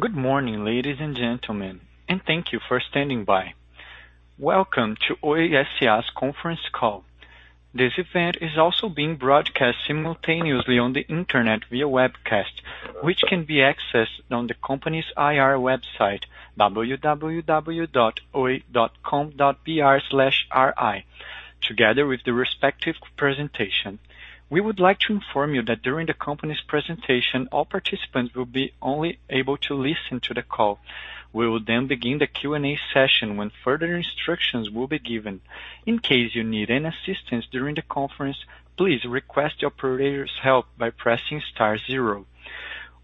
Good morning, ladies and gentlemen, and thank you for standing by. Welcome to Oi S.A.'s conference call. This event is also being broadcast simultaneously on the internet via webcast, which can be accessed on the company's IR website, www.oi.com.br/ri, together with the respective presentation. We would like to inform you that during the company's presentation, all participants will be only able to listen to the call. We will then begin the Q&A session when further instructions will be given. In case you need any assistance during the conference, please request the operator's help by pressing star zero.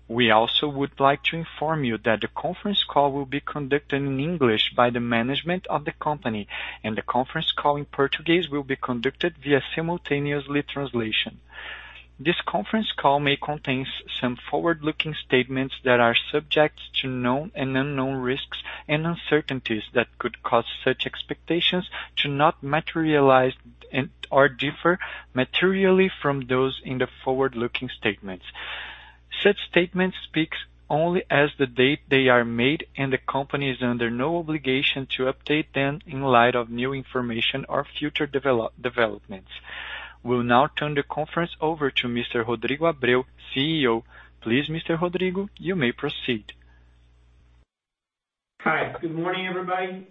We also would like to inform you that the conference call will be conducted in English by the management of the company, and the conference call in Portuguese will be conducted via simultaneously translation. This conference call may contain some forward-looking statements that are subject to known and unknown risks, and uncertainties that could cause such expectations to not materialize or differ materially from those in the forward-looking statements. Such statements speak only as the date they are made, and the company is under no obligation to update them in light of new information or future developments. We will now turn the conference over to Mr. Rodrigo Abreu, CEO. Please, Mr. Rodrigo, you may proceed. Hi. Good morning, everybody.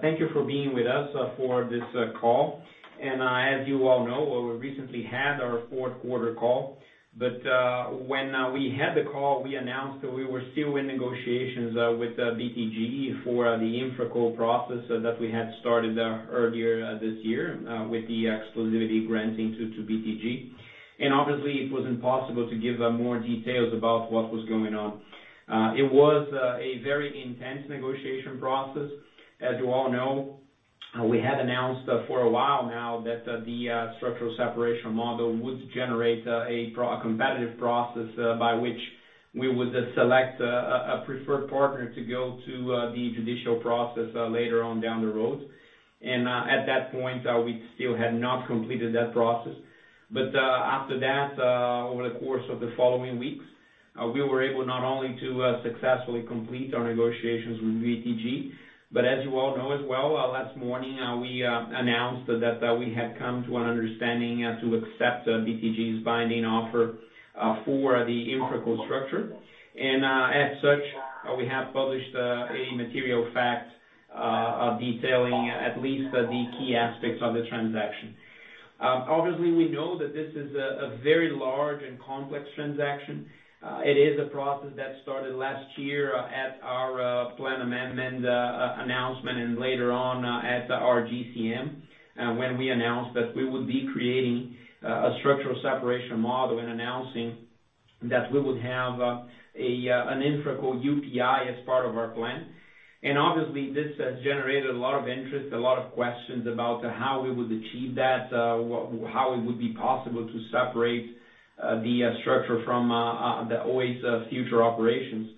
Thank you for being with us for this call. As you all know, we recently had our fourth quarter call. When we had the call, we announced that we were still in negotiations with BTG for the InfraCo process that we had started earlier this year with the exclusivity granting to BTG. Obviously, it was impossible to give more details about what was going on. It was a very intense negotiation process. As you all know, we had announced for a while now that the structural separation model would generate a competitive process by which we would select a preferred partner to go to the judicial process later on down the road. At that point, we still had not completed that process. After that, over the course of the following weeks, we were able not only to successfully complete our negotiations with BTG, but as you all know as well, last morning, we announced that we had come to an understanding to accept BTG's binding offer for the InfraCo structure. As such, we have published a material fact detailing at least the key aspects of the transaction. Obviously, we know that this is a very large and complex transaction. It is a process that started last year at our plan amendment announcement, and later on at our GCM, when we announced that we would be creating a structural separation model and announcing that we would have an InfraCo UPI as part of our plan. Obviously, this has generated a lot of interest, a lot of questions about how we would achieve that, how it would be possible to separate the structure from Oi's future operations.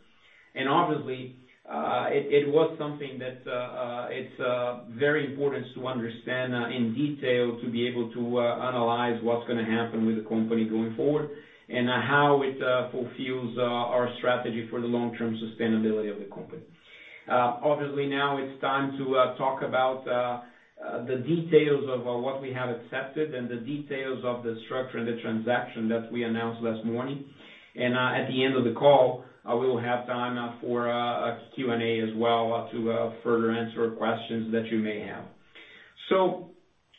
Obviously, it was something that is very important to understand in detail to be able to analyze what's going to happen with the company going forward and how it fulfills our strategy for the long-term sustainability of the company. Obviously, now it's time to talk about the details of what we have accepted and the details of the structure of the transaction that we announced last morning. At the end of the call, I will have time for a Q&A as well to further answer questions that you may have.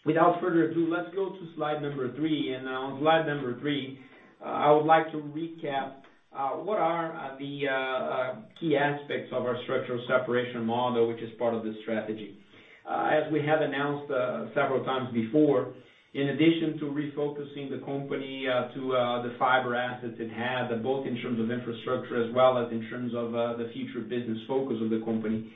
Without further ado, let's go to slide number three. On slide number three, I would like to recap what are the key aspects of our structural separation model, which is part of this strategy. As we have announced several times before, in addition to refocusing the company to the fiber assets it had, both in terms of infrastructure as well as in terms of the future business focus of the company,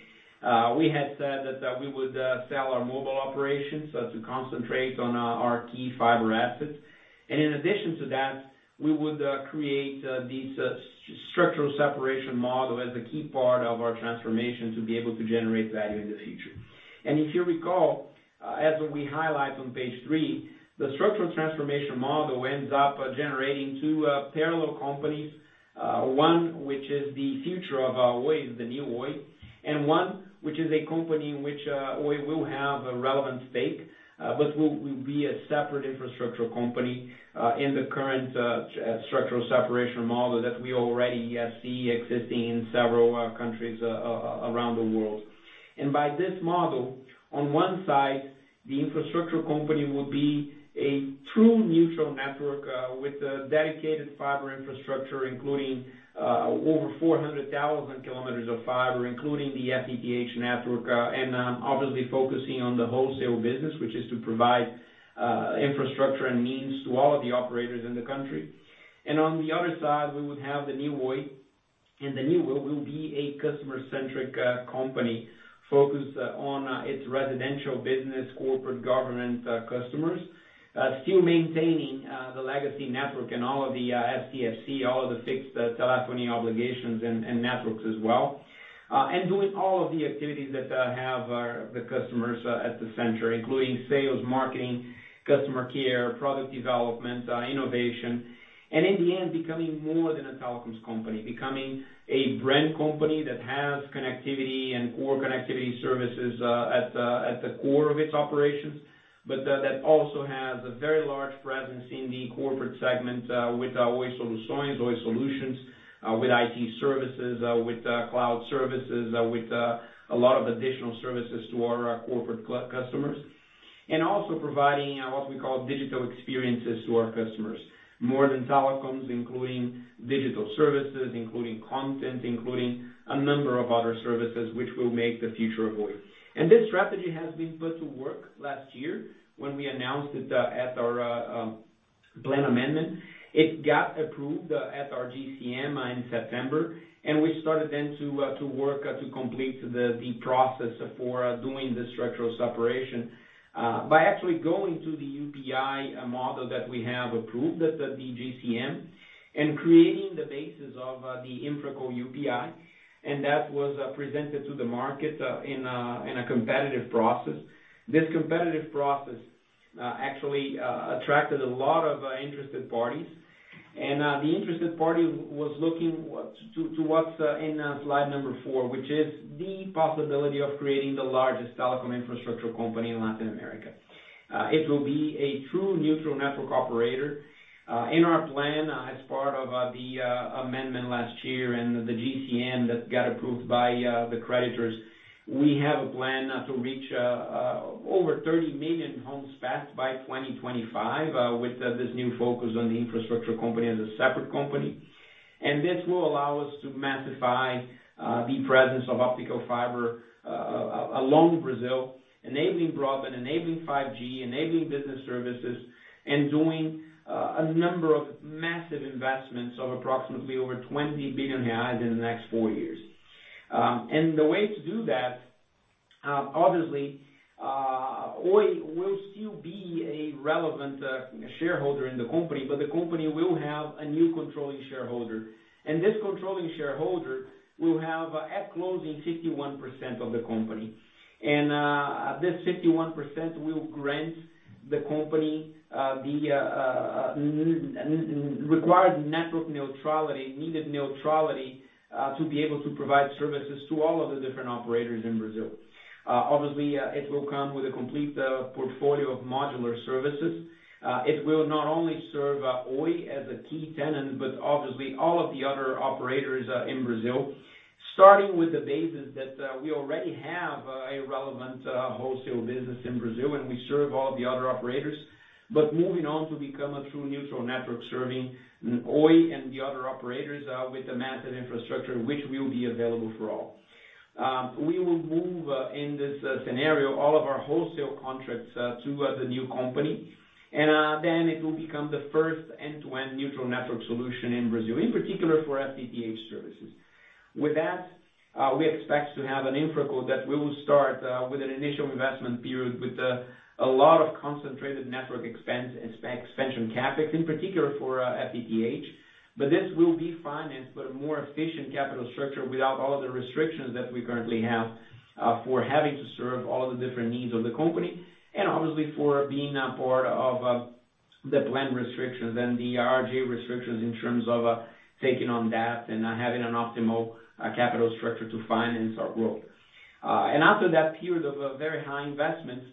we had said that we would sell our mobile operations to concentrate on our key fiber assets. In addition to that, we would create this structural separation model as the key part of our transformation to be able to generate value in the future. If you recall, as we highlight on page three, the structural transformation model ends up generating two parallel companies. One, which is the future of Oi, the New Oi. One, which is a company in which Oi will have a relevant stake but will be a separate infrastructure company in the current structural separation model that we already see existing in several countries around the world. By this model, on one side, the infrastructure company will be a true neutral network with a dedicated fiber infrastructure including over 400,000 km of fiber, including the FTTH network, and obviously focusing on the wholesale business, which is to provide infrastructure and means to all of the operators in the country. On the other side, we would have the New Oi. The New Oi will be a customer-centric company focused on its residential business, corporate government customers, still maintaining the legacy network and all of the STFC, all of the fixed telephony obligations and networks as well. Doing all of the activities that have the customers at the center, including sales, marketing, customer care, product development, and innovation. In the end, becoming more than a telecoms company, becoming a brand company that has connectivity and core connectivity services at the core of its operations. That also has a very large presence in the corporate segment, with Oi Soluções, Oi Solutions, with IT services, with cloud services, with a lot of additional services to our corporate customers. Also providing what we call digital experiences to our customers. More than telecoms, including digital services, including content, including a number of other services which will make the future of Oi. This strategy has been put to work last year when we announced it at our plan amendment. It got approved at our GCM in September. We started then to work to complete the process for doing the structural separation by actually going to the UPI model that we have approved at the GCM, creating the basis of the InfraCo UPI. That was presented to the market in a competitive process. This competitive process actually attracted a lot of interested parties. The interested party was looking to what's in slide number four, which is the possibility of creating the largest telecom infrastructure company in Latin America. It will be a true neutral network operator in our plan as part of the amendment last year and the GCM that got approved by the creditors. We have a plan to reach over 30 million homes passed by 2025, with this new focus on the infrastructure company as a separate company. This will allow us to massify the presence of optical fiber along Brazil, enabling broadband, enabling 5G, enabling business services, and doing a number of massive investments of approximately over 20 billion reais in the next four years. The way to do that, obviously, Oi will still be a relevant shareholder in the company, but the company will have a new controlling shareholder. This controlling shareholder will have, at closing, 51% of the company. This 51% will grant the company the required network neutrality, needed neutrality, to be able to provide services to all of the different operators in Brazil. Obviously, it will come with a complete portfolio of modular services. It will not only serve Oi as a key tenant, but obviously all of the other operators in Brazil. Starting with the basis that we already have a relevant wholesale business in Brazil, and we serve all the other operators. Moving on to become a true neutral network serving Oi and the other operators with the massive infrastructure which will be available for all. We will move, in this scenario, all of our wholesale contracts to the new company. It will become the first end-to-end neutral network solution in Brazil, in particular for FTTH services. With that, we expect to have an InfraCo that will start with an initial investment period with a lot of concentrated network expense and expansion CapEx, in particular for FTTH. This will be financed with a more efficient capital structure without all of the restrictions that we currently have, for having to serve all of the different needs of the company. Obviously, being a part of the plan restrictions and the RJ restrictions in terms of taking on debt and not having an optimal capital structure to finance our growth. After that period of a very high investment,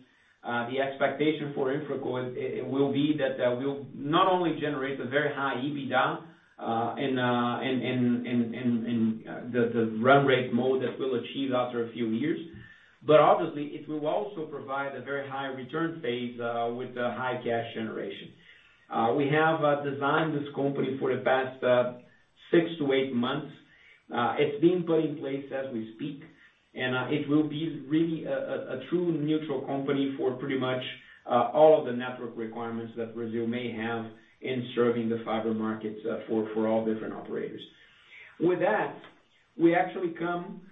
the expectation for InfraCo will be that we will not only generate a very high EBITDA in the run rate mode that we will achieve after a few years. Obviously, it will also provide a very high return phase with high cash generation. We have designed this company for the past six to eight months. It's being put in place as we speak, and it will be really a true neutral company for pretty much all of the network requirements that Brazil may have in serving the fiber markets for all different operators. With that, we actually come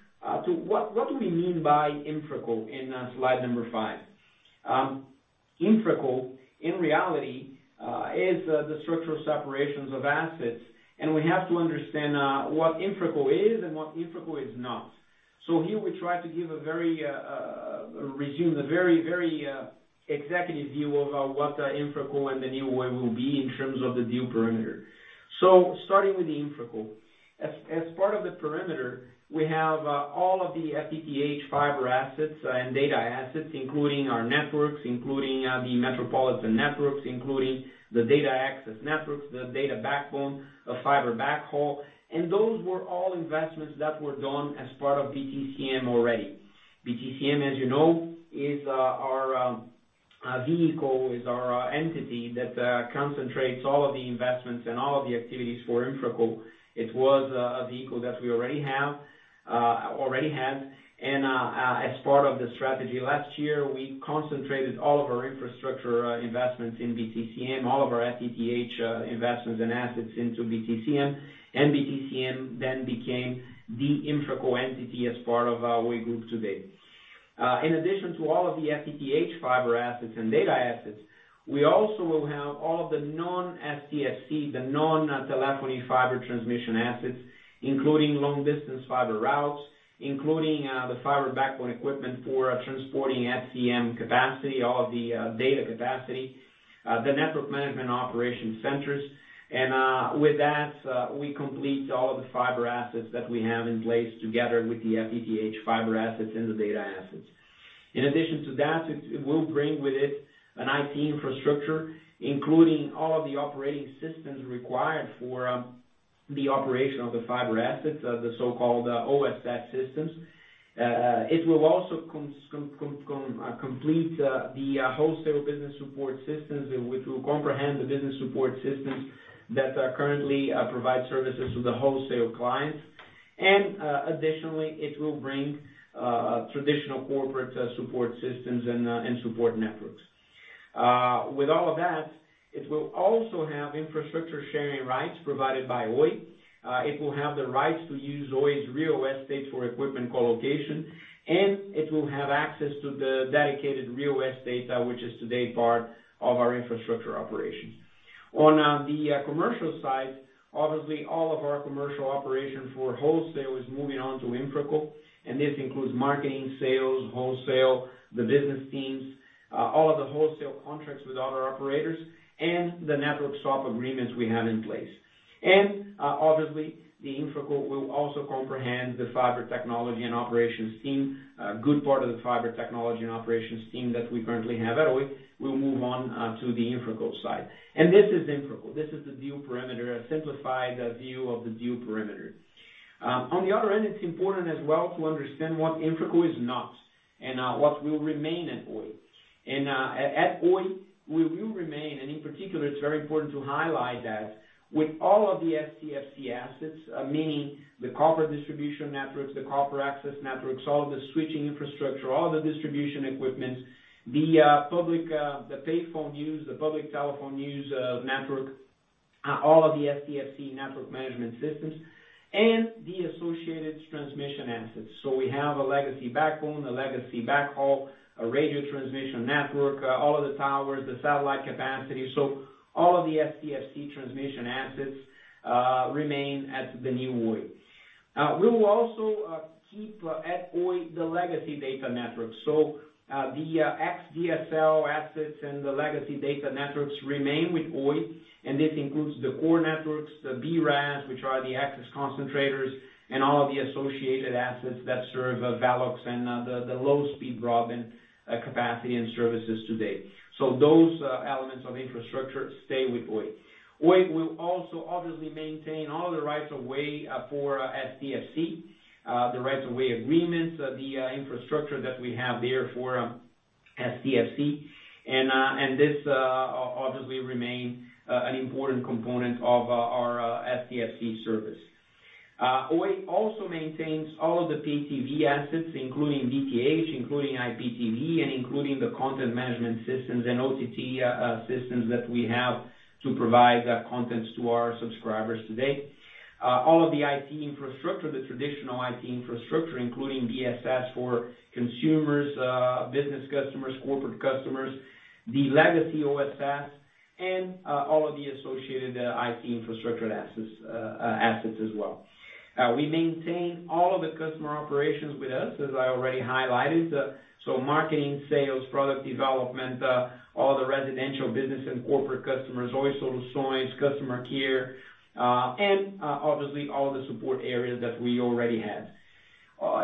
to what do we mean by InfraCo in slide number five? InfraCo, in reality, is the structural separations of assets. We have to understand what InfraCo is and what InfraCo is not. Here we try to give a very executive view of what the InfraCo and the New Oi will be in terms of the new perimeter. Starting with the InfraCo. As part of the perimeter, we have all of the FTTH fiber assets and data assets, including our networks, including the metropolitan networks, including the data access networks, the data backbone, the fiber backhaul. Those were all investments that were done as part of BTCM already. BTCM, as you know, is our vehicle, is our entity that concentrates all of the investments and all of the activities for InfraCo. It was a vehicle that we already had. As part of the strategy last year, we concentrated all of our infrastructure investments in BTCM, all of our FTTH investments and assets into BTCM. BTCM then became the InfraCo entity as part of Oi group today. In addition to all of the FTTH fiber assets and data assets, we also will have all of the non-STFC, the non-telephony fiber transmission assets, including long-distance fiber routes, including the fiber backbone equipment for transporting STM capacity, all of the data capacity, the network management operation centers. With that, we complete all of the fiber assets that we have in place together with the FTTH fiber assets and the data assets. In addition to that, it will bring with it an IT infrastructure, including all of the operating systems required for the operation of the fiber assets, the so-called OSS systems. It will also complete the wholesale business support systems, which will comprehend the business support systems that currently provide services to the wholesale clients. Additionally, it will bring traditional corporate support systems and support networks. With all of that, it will also have infrastructure sharing rights provided by Oi. It will have the rights to use Oi's real estate for equipment co-location, and it will have access to the dedicated real estate which is today part of our infrastructure operations. On the commercial side, obviously all of our commercial operations for wholesale is moving on to InfraCo, and this includes marketing, sales, wholesale, the business teams, all of the wholesale contracts with other operators, and the network swap agreements we have in place. Obviously, the InfraCo will also comprehend the fiber technology and operations team. A good part of the fiber technology and operations team that we currently have at Oi will move on to the InfraCo side. This is InfraCo. This is the deal perimeter, a simplified view of the deal perimeter. On the other end, it's important as well to understand what InfraCo is not, and what will remain at Oi. At Oi, we will remain, and in particular, it's very important to highlight that with all of the STFC assets, meaning the copper distribution networks, the copper access networks, all of the switching infrastructure, all the distribution equipment, the payphone use, the public telephone use network, all of the STFC network management systems, and the associated transmission assets. We have a legacy backbone, a legacy backhaul, a radio transmission network, all of the towers, and the satellite capacity. All of the STFC transmission assets remain at the New Oi. We will also keep at Oi the legacy data network. The xDSL assets and the legacy data networks remain with Oi, and this includes the core networks, the BRAS, which are the access concentrators, and all of the associated assets that serve Velox and the low-speed broadband capacity and services today. Those elements of infrastructure stay with Oi. Oi will also obviously maintain all of the rights of way for STFC, the rights of way agreements, the infrastructure that we have there for STFC. This obviously remains an important component of our STFC service. Oi also maintains all of the PTV assets, including FTTH, including IPTV, and including the content management systems and OTT systems that we have to provide content to our subscribers today. All of the IT infrastructure, the traditional IT infrastructure, including BSS for consumers, business customers, corporate customers, the legacy OSS, and all of the associated IT infrastructure assets as well. We maintain all of the customer operations with us, as I already highlighted. Marketing, sales, product development, all the residential business and corporate customers, Oi Soluções, customer care, and obviously all of the support areas that we already had.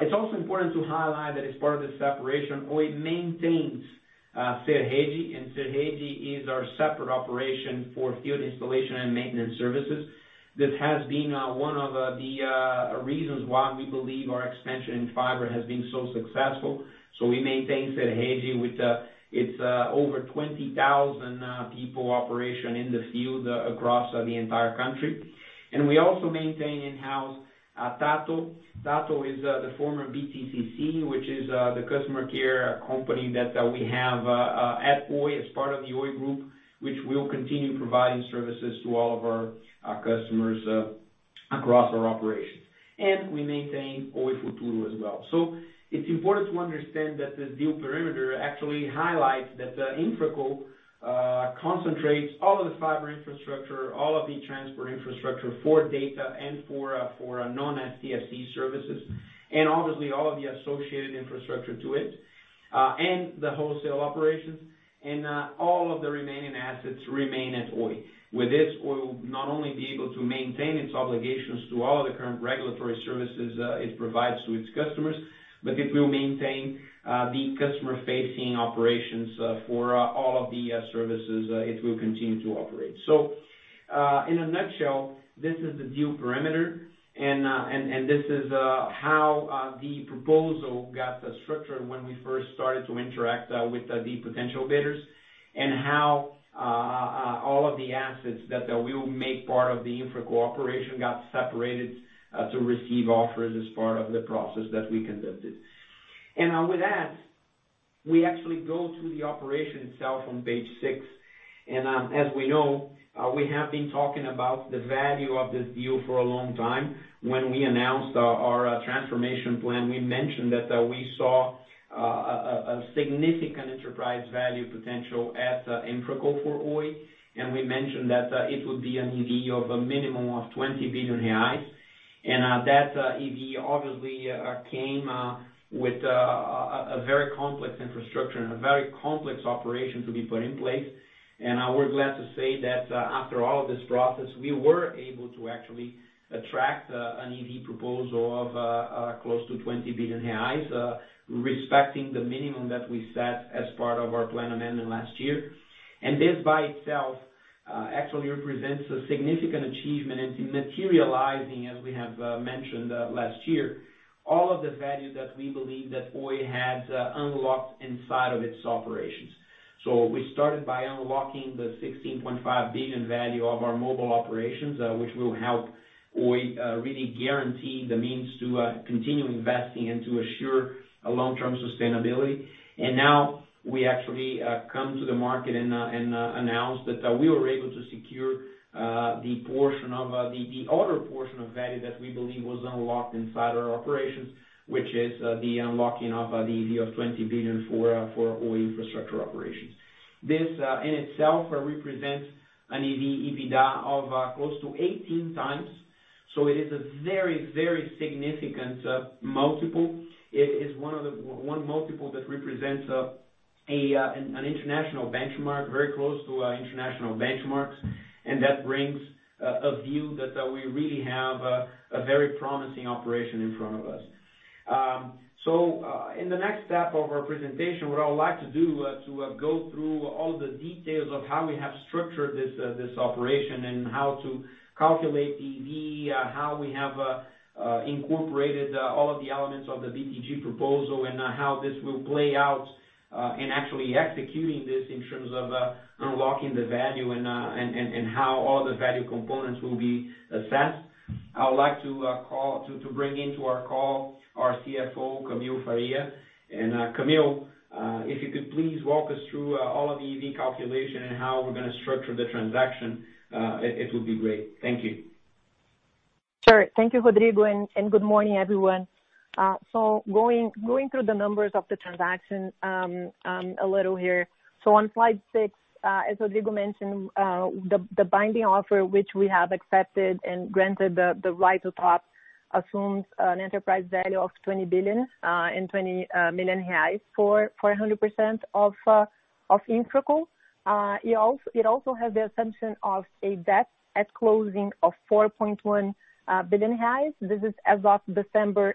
It's also important to highlight that as part of the separation, Oi maintains Serede, and Serede is our separate operation for field installation and maintenance services. This has been one of the reasons why we believe our expansion in fiber has been so successful. We maintain Serede with its over 20,000 people operation in the field across the entire country. We also maintain in-house Tahto. Tahto is the former BTCC, which is the customer care company that we have at Oi as part of the Oi group, which will continue providing services to all of our customers across our operations. We maintain Oi Futuro as well. It's important to understand that the deal perimeter actually highlights that InfraCo concentrates all of the fiber infrastructure, all of the transport infrastructure for data and for non-STFC services, and obviously all of the associated infrastructure to it, and the wholesale operations, and all of the remaining assets remain at Oi. With this, Oi will not only be able to maintain its obligations to all the current regulatory services it provides to its customers, but it will maintain the customer-facing operations for all of the services it will continue to operate. In a nutshell, this is the deal perimeter, and this is how the proposal got structured when we first started to interact with the potential bidders, and how all of the assets that we will make part of the InfraCo operation got separated to receive offers as part of the process that we conducted. We actually go to the operation itself on page six. As we know, we have been talking about the value of this deal for a long time. When we announced our transformation plan, we mentioned that we saw a significant Enterprise Value potential at InfraCo for Oi. We mentioned that it would be an EV of a minimum of 20 billion reais. That EV obviously came with a very complex infrastructure and a very complex operation to be put in place. We're glad to say that after all of this process, we were able to actually attract an EV proposal of close to 20 billion reais, respecting the minimum that we set as part of our plan amendment last year. This by itself actually represents a significant achievement into materializing, as we have mentioned last year, all of the value that we believe that Oi has unlocked inside of its operations. We started by unlocking the 16.5 billion value of our mobile operations, which will help Oi really guarantee the means to continue investing and to assure a long-term sustainability. Now we actually come to the market and announce that we were able to secure the other portion of value that we believe was unlocked inside our operations, which is the unlocking of the EV of 20 billion for Oi infrastructure operations. This in itself represents an EV EBITDA of close to 18x, it is a very, very significant multiple. It is one multiple that represents an international benchmark, very close to international benchmarks. That brings a view that we really have a very promising operation in front of us. In the next step of our presentation, what I would like to do to go through all the details of how we have structured this operation, how to calculate EV, how we have incorporated all of the elements of the BTG proposal, and how this will play out in actually executing this in terms of unlocking the value and how all the value components will be assessed. I would like to bring into our call our CFO, Camille Faria. Camille, if you could please walk us through all of the EV calculations and how we're going to structure the transaction, it would be great. Thank you. Sure. Thank you, Rodrigo, and good morning, everyone. Going through the numbers of the transaction a little here. On slide six, as Rodrigo mentioned, the binding offer, which we have accepted and granted the right to top, assumes an enterprise value of 20 billion and 20 million reais for 100% of InfraCo. It also has the assumption of a debt at closing of 4.1 billion. This is as of the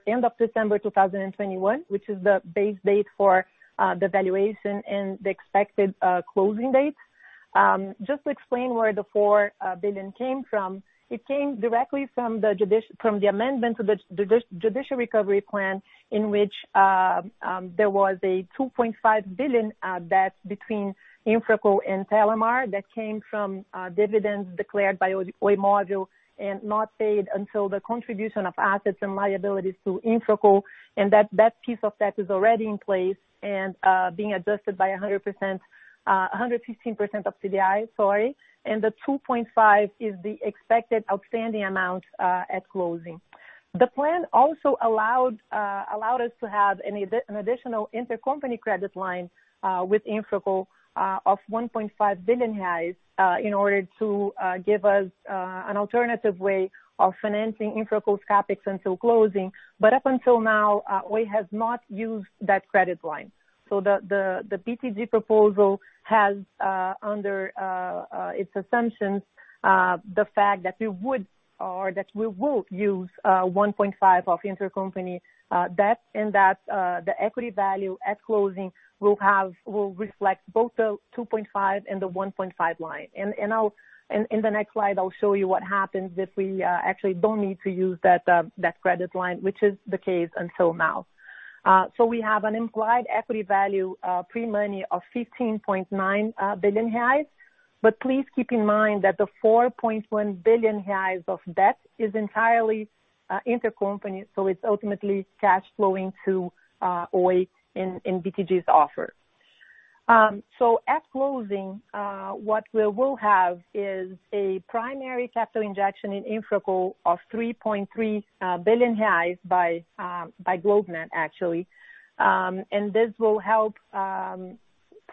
end of December 2021, which is the base date for the valuation and the expected closing date. Just to explain where the 4 billion came from, it came directly from the amendment to the judicial recovery plan, in which there was a 2.5 billion debt between InfraCo and Telemar that came from dividends declared by Oi Móvel and not paid until the contribution of assets and liabilities to InfraCo. That piece of debt is already in place and being adjusted by 115% of CDI. The 2.5 is the expected outstanding amount at closing. The plan also allowed us to have an additional intercompany credit line with InfraCo of 1.5 billion in order to give us an alternative way of financing InfraCo's CapEx until closing. Up until now, Oi has not used that credit line. The BTG proposal has under its assumptions the fact that we would or that we will use 1.5 of intercompany debt, and that the equity value at closing will reflect both the 2.5 and the 1.5 line. In the next slide, I'll show you what happens if we actually don't need to use that credit line, which is the case until now. We have an implied equity value pre-money of 15.9 billion reais. Please keep in mind that the 4.1 billion reais of debt is entirely intercompany, so it's ultimately cash flowing to Oi in BTG's offer. At closing, what we will have is a primary capital injection in InfraCo of 3.3 billion reais by GlobeNet actually. This will help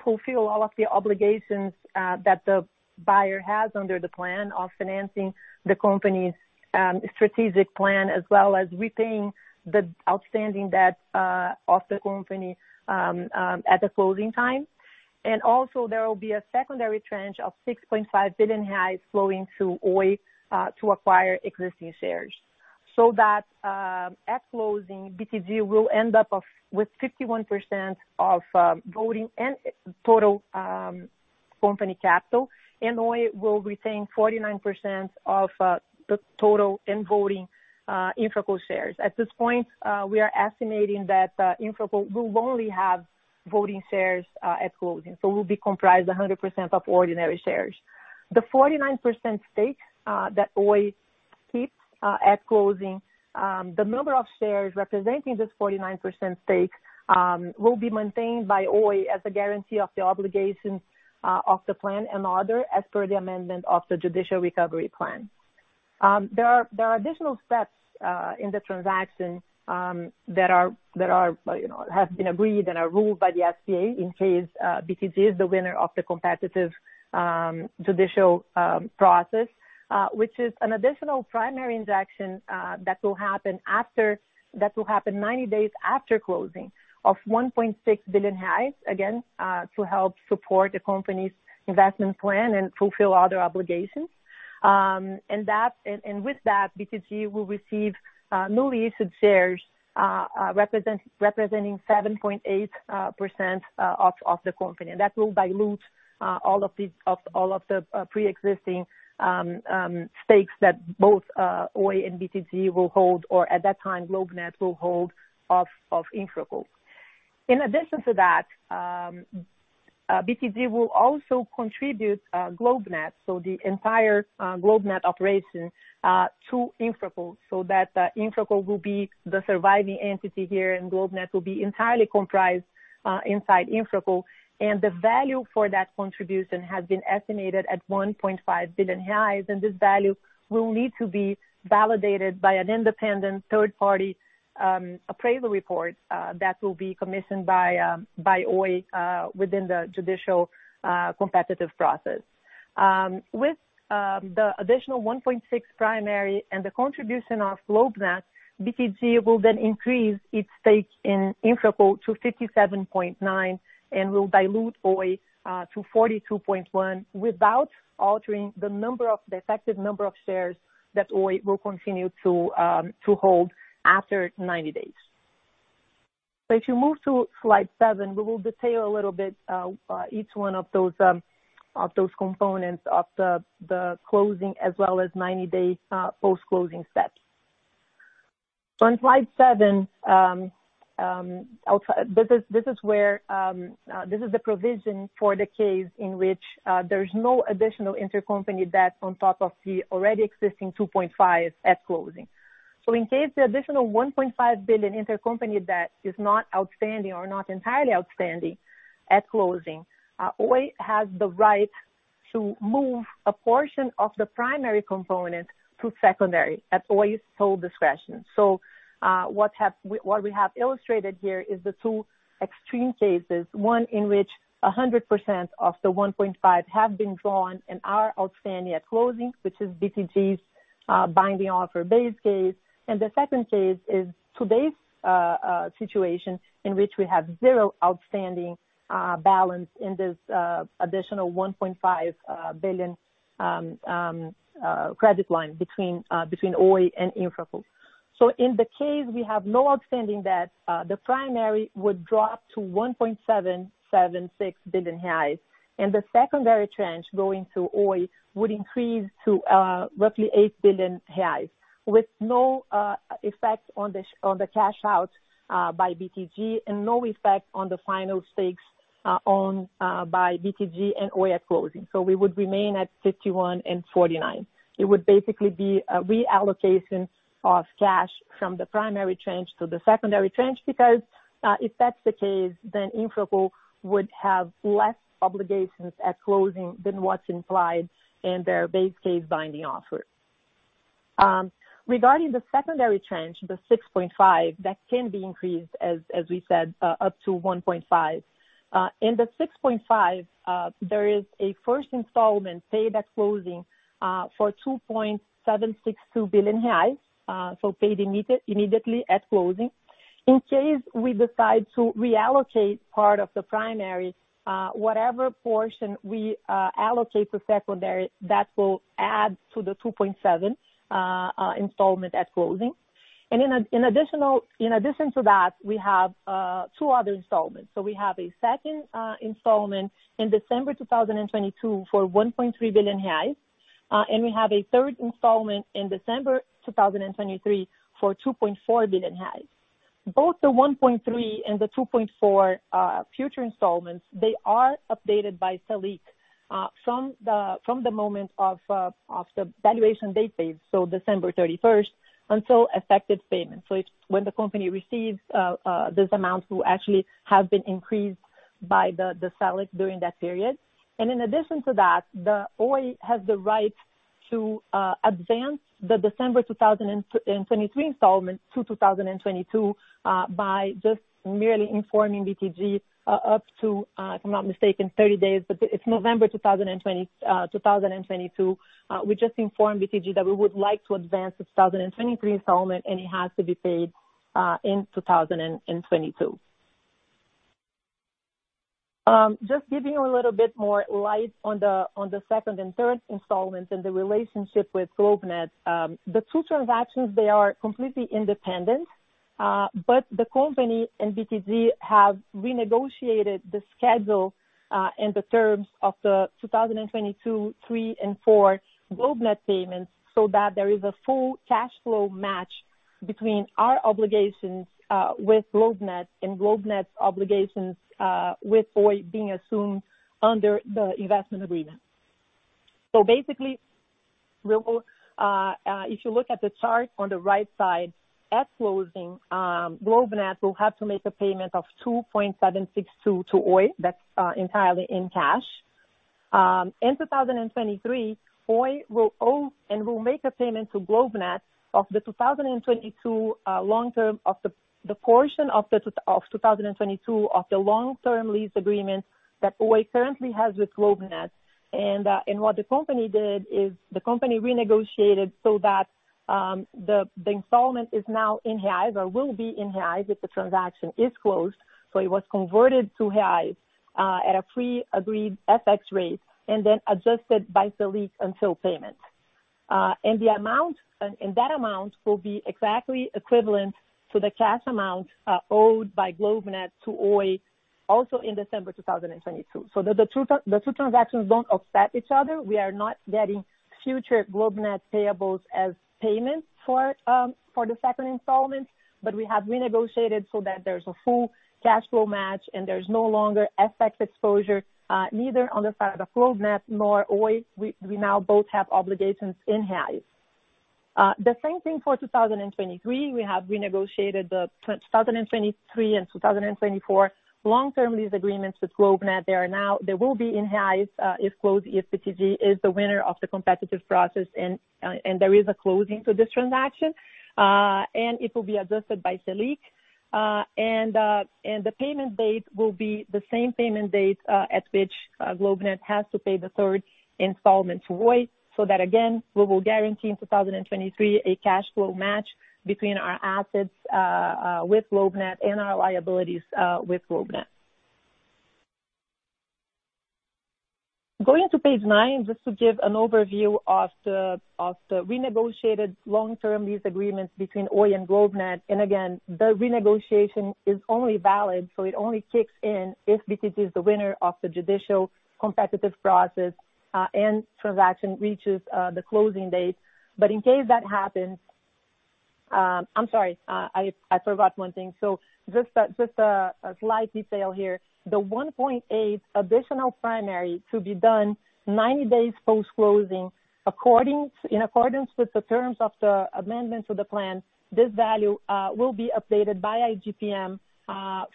fulfill all of the obligations that the buyer has under the plan of financing the company's strategic plan as well as repaying the outstanding debt of the company at the closing time. Also, there will be a secondary tranche of 6.5 billion reais flowing through Oi to acquire existing shares. That at closing, BTG will end up with 51% of voting and total company capital, and Oi will retain 49% of the total in voting InfraCo shares. At this point, we are estimating that InfraCo will only have voting shares at closing. Will be comprised 100% of ordinary shares. The 49% stake that Oi keeps at closing, the number of shares representing this 49% stake will be maintained by Oi as a guarantee of the obligations of the plan and other as per the amendment of the judicial recovery plan. There are additional steps in the transaction that have been agreed and are ruled by the SPA in case BTG is the winner of the competitive judicial process, which is an additional primary injection that will happen 90 days after closing of 1.6 billion, again, to help support the company's investment plan and fulfill other obligations. With that, BTG will receive newly issued shares representing 7.8% of the company. That will dilute all of the pre-existing stakes that both Oi and BTG will hold, or at that time, GlobeNet will hold of InfraCo. In addition to that, BTG will also contribute GlobeNet, so the entire GlobeNet operation, to InfraCo, so that InfraCo will be the surviving entity here and GlobeNet will be entirely comprised inside InfraCo. The value for that contribution has been estimated at 1.5 billion reais, and this value will need to be validated by an independent third-party appraisal report that will be commissioned by Oi within the judicial competitive process. With the additional 1.6 primary and the contribution of GlobeNet, BTG will then increase its stake in InfraCo to 57.9% and will dilute Oi to 42.1% without altering the effective number of shares that Oi will continue to hold after 90 days. If you move to slide seven, we will detail a little bit each one of those components of the closing, as well as 90-day post-closing steps. On slide seven, this is the provision for the case in which there's no additional intercompany debt on top of the already existing 2.5 at closing. In case the additional 1.5 billion intercompany debt is not outstanding or not entirely outstanding at closing, Oi has the right to move a portion of the primary component to secondary at Oi's sole discretion. What we have illustrated here are the two extreme cases, one in which 100% of the 1.5 have been drawn and are outstanding at closing, which is BTG's binding offer base case. The second case is today's situation, in which we have zero outstanding balance in this additional 1.5 billion credit line between Oi and InfraCo. In the case we have no outstanding debt, the primary would drop to 1.776 billion reais, and the secondary tranche going to Oi would increase to roughly 8 billion reais with no effect on the cash out by BTG and no effect on the final stakes owned by BTG and Oi at closing. We would remain at 51% and 49%. It would basically be a reallocation of cash from the primary tranche to the secondary tranche, because if that's the case, then InfraCo would have less obligations at closing than what's implied in their base case binding offer. Regarding the secondary tranche, the 6.5 billion, that can be increased, as we said, up to 1.5 billion. In the 6.5 billion there is a first installment paid at closing for 2.762 billion reais, paid immediately at closing. In case we decide to reallocate part of the primary, whatever portion we allocate to secondary, that will add to the 2.7 installment at closing. In addition to that, we have two other installments. We have a second installment in December 2022 for 1.3 billion reais. We have a third installment in December 2023 for 2.4 billion reais. Both the 1.3 and the 2.4 future installments are updated by Selic from the moment of the valuation date paid, so December 31st, until effective payment. It's when the company receives this amount will actually have been increased by the Selic during that period. In addition to that, Oi has the right to advance the December 2023 installment to 2022 by just merely informing BTG up to, if I'm not mistaken, 30 days. It's November 2022. We just informed BTG that we would like to advance the 2023 installment. It has to be paid in 2022. Just giving you a little bit more light on the second and third installments and the relationship with GlobeNet. The two transactions, they are completely independent. The company and BTG have renegotiated the schedule and the terms of the 2022, 2023, and 2024 GlobeNet payments so that there is a full cash flow match between our obligations with GlobeNet and GlobeNet's obligations with Oi being assumed under the investment agreement. Basically, if you look at the chart on the right side, at closing, GlobeNet will have to make a payment of 2.762 to Oi. That's entirely in cash. In 2023, Oi will owe and will make a payment to GlobeNet of the 2022 of the Long Term Lease Agreement that Oi currently has with GlobeNet. What the company did is, the company renegotiated so that the installment is now in reais or will be in reais if the transaction is closed. It was converted to reais at a pre-agreed FX rate, and then adjusted by Selic until payment. That amount will be exactly equivalent to the cash amount owed by GlobeNet to Oi, also in December 2022. The two transactions don't offset each other. We are not getting future GlobeNet payables as payment for the second installment, but we have renegotiated so that there's a full cash flow match and there's no longer FX exposure, neither on the side of the GlobeNet, nor Oi. We are now both have obligations in reais. The same thing for 2023. We have renegotiated the 2023 and 2024 long-term lease agreements with GlobeNet. They will be in BRL if BTG is the winner of the competitive process and there is a closing to this transaction. It will be adjusted by Selic. The payment date will be the same payment date at which GlobeNet has to pay the third installment to Oi. That again, we will guarantee in 2023 a cash flow match between our assets with GlobeNet and our liabilities with GlobeNet. Going to page nine, just to give an overview of the renegotiated Long Term Lease Agreements between Oi and GlobeNet. Again, the renegotiation is only valid, it only kicks in if BTG is the winner of the judicial competitive process and transaction reaches the closing date. In case that happens I'm sorry, I forgot one thing. Just a slight detail here. The 1.8 additional primary to be done 90 days post-closing. In accordance with the terms of the amendment to the plan, this value will be updated by IGPM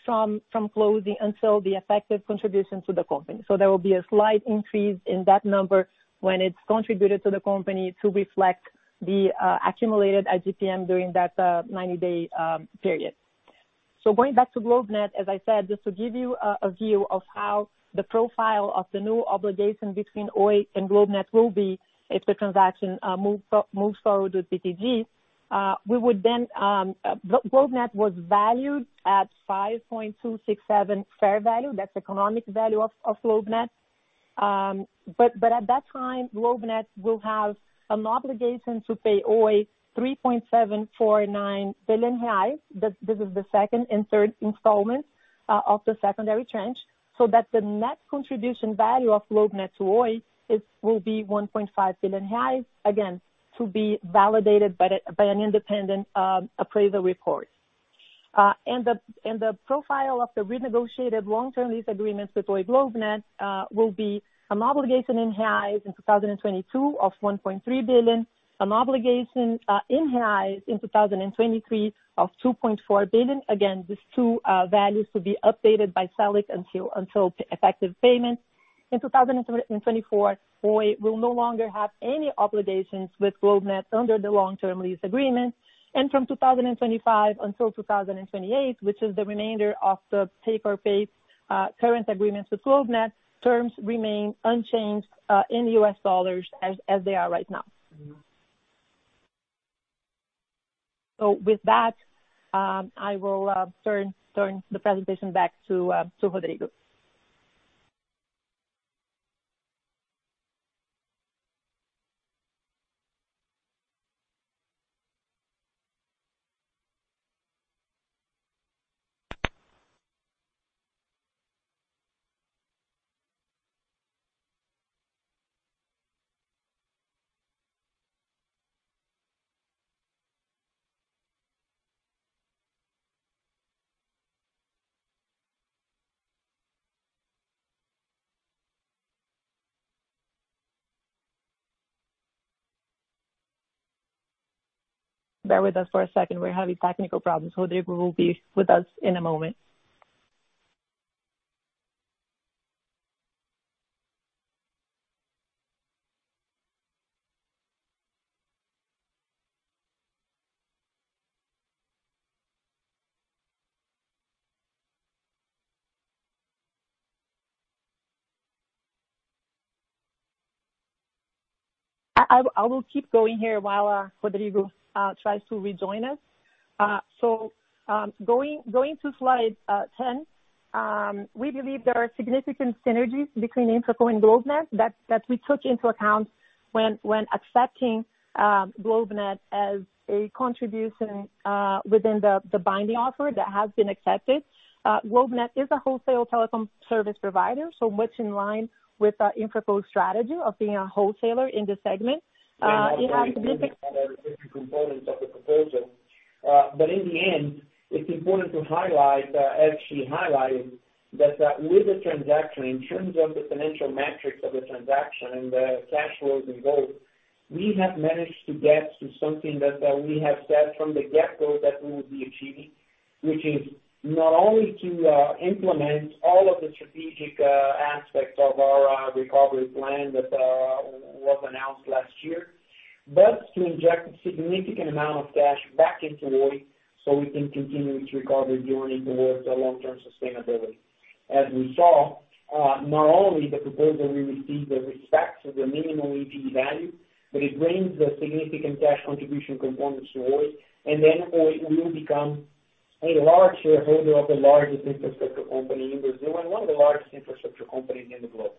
from closing until the effective contribution to the company. There will be a slight increase in that number when it's contributed to the company to reflect the accumulated IGPM during that 90-day period. Going back to GlobeNet, as I said, just to give you a view of how the profile of the new obligation between Oi and GlobeNet will be if the transaction moves forward with BTG. GlobeNet was valued at 5.267 fair value. That's the economic value of GlobeNet. At that time, GlobeNet will have an obligation to pay Oi 3.749 billion reais. This is the second and third installment of the secondary tranche, so that the net contribution value of GlobeNet to Oi will be 1.5 billion reais, again, to be validated by an independent appraisal report. The profile of the renegotiated Long Term Lease Agreements with Oi GlobeNet will be an obligation in BRL in 2022 of 1.3 billion, and an obligation in BRL in 2023 of 2.4 billion. Again, these two values to be updated by Selic until effective payment. In 2024, Oi will no longer have any obligations with GlobeNet under the Long-Term Lease Agreement. From 2025 until 2028, which is the remainder of the pay-per-use current agreement with GlobeNet, terms remain unchanged in US dollars as they are right now. With that, I will turn the presentation back to Rodrigo. Bear with us for a second. We're having technical problems. Rodrigo will be with us in a moment. I will keep going here while Rodrigo tries to rejoin us. Going to slide 10. We believe there are significant synergies between InfraCo and GlobeNet that we took into account when accepting GlobeNet as a contribution within the binding offer that has been accepted. GlobeNet is a wholesale telecom service provider, much in line with our InfraCo strategy of being a wholesaler in this segment. Different components of the proposal. In the end, it's important to actually highlight that with the transaction, in terms of the financial metrics of the transaction and the cash flows involved, we have managed to get to something that we have said from the get-go that we will be achieving, which is not only to implement all of the strategic aspects of our recovery plan that was announced last year, but to inject a significant amount of cash back into Oi so we can continue its recovery journey towards a long-term sustainability. As we saw, not only the proposal we received respect the minimum EV value, but it brings a significant cash contribution component to Oi, and then Oi will become a large shareholder of the largest infrastructure company in Brazil and one of the largest infrastructure companies in the globe.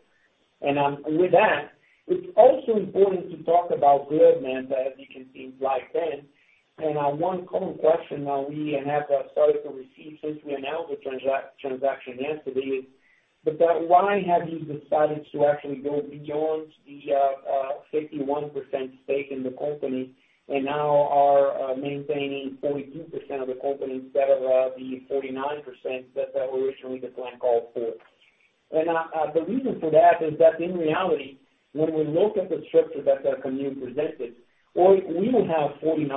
With that, it's also important to talk about GlobeNet, as you can see in slide 10. One common question we have started to receive since we announced the transaction yesterday is, "Why have you decided to actually go beyond the 51% stake in the company, and now are maintaining 42% of the company instead of the 39% that the original plan called for?" The reason for that is that in reality, when we look at the structure that Camille presented, Oi will have 49%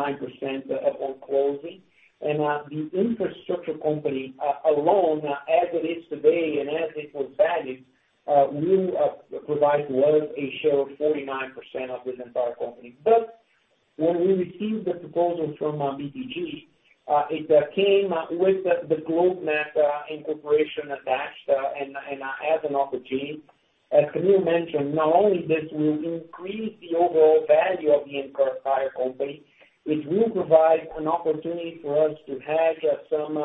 upon closing, and the infrastructure company alone as it is today and as it was valued will provide well a share of 49% of this entire company. When we received the proposal from BTG, it came with the GlobeNet incorporation attached and as an opportunity. As Camille mentioned, not only this will increase the overall value of the entire company, it will provide an opportunity for us to hedge some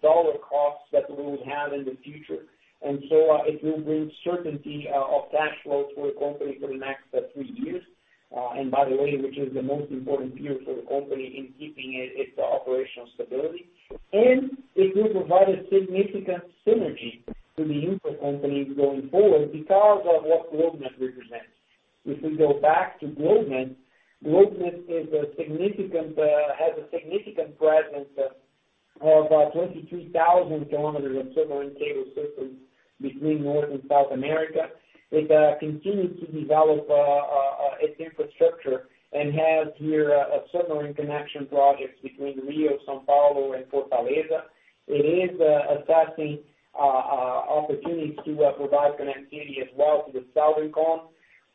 dollar costs that we will have in the future. It will bring certainty of cash flow for the company for the next three years, and by the way, which is the most important period for the company in keeping its operational stability. It will provide a significant synergy to the Infra company going forward because of what GlobeNet represents. If we go back to GlobeNet has a significant presence of 23,000 km of submarine cable systems between North and South America. It continues to develop its infrastructure and has here submarine connection projects between Rio, São Paulo, and Fortaleza. It is assessing opportunities to provide connectivity as well to the Southern Cone.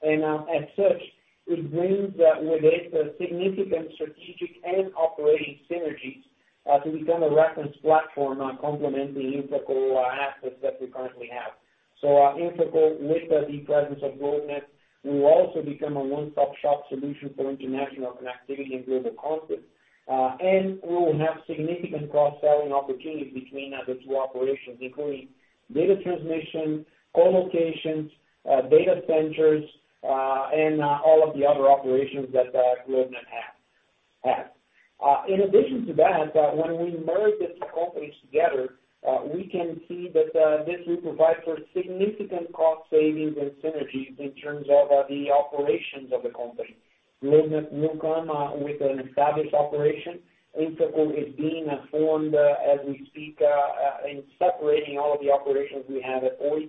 As such, it brings with it significant strategic and operating synergies to become a reference platform complementing InfraCo assets that we currently have. InfraCo, with the presence of GlobeNet, will also become a one-stop-shop solution for international connectivity in global connectivity. We will have significant cross-selling opportunities between the two operations, including data transmission, co-locations, data centers, and all of the other operations that GlobeNet has. In addition to that, when we merge the two companies together, we can see that this will provide for significant cost savings and synergies in terms of the operations of the company. GlobeNet will come with an established operation. InfraCo is being formed as we speak, and separating all of the operations we have at Oi.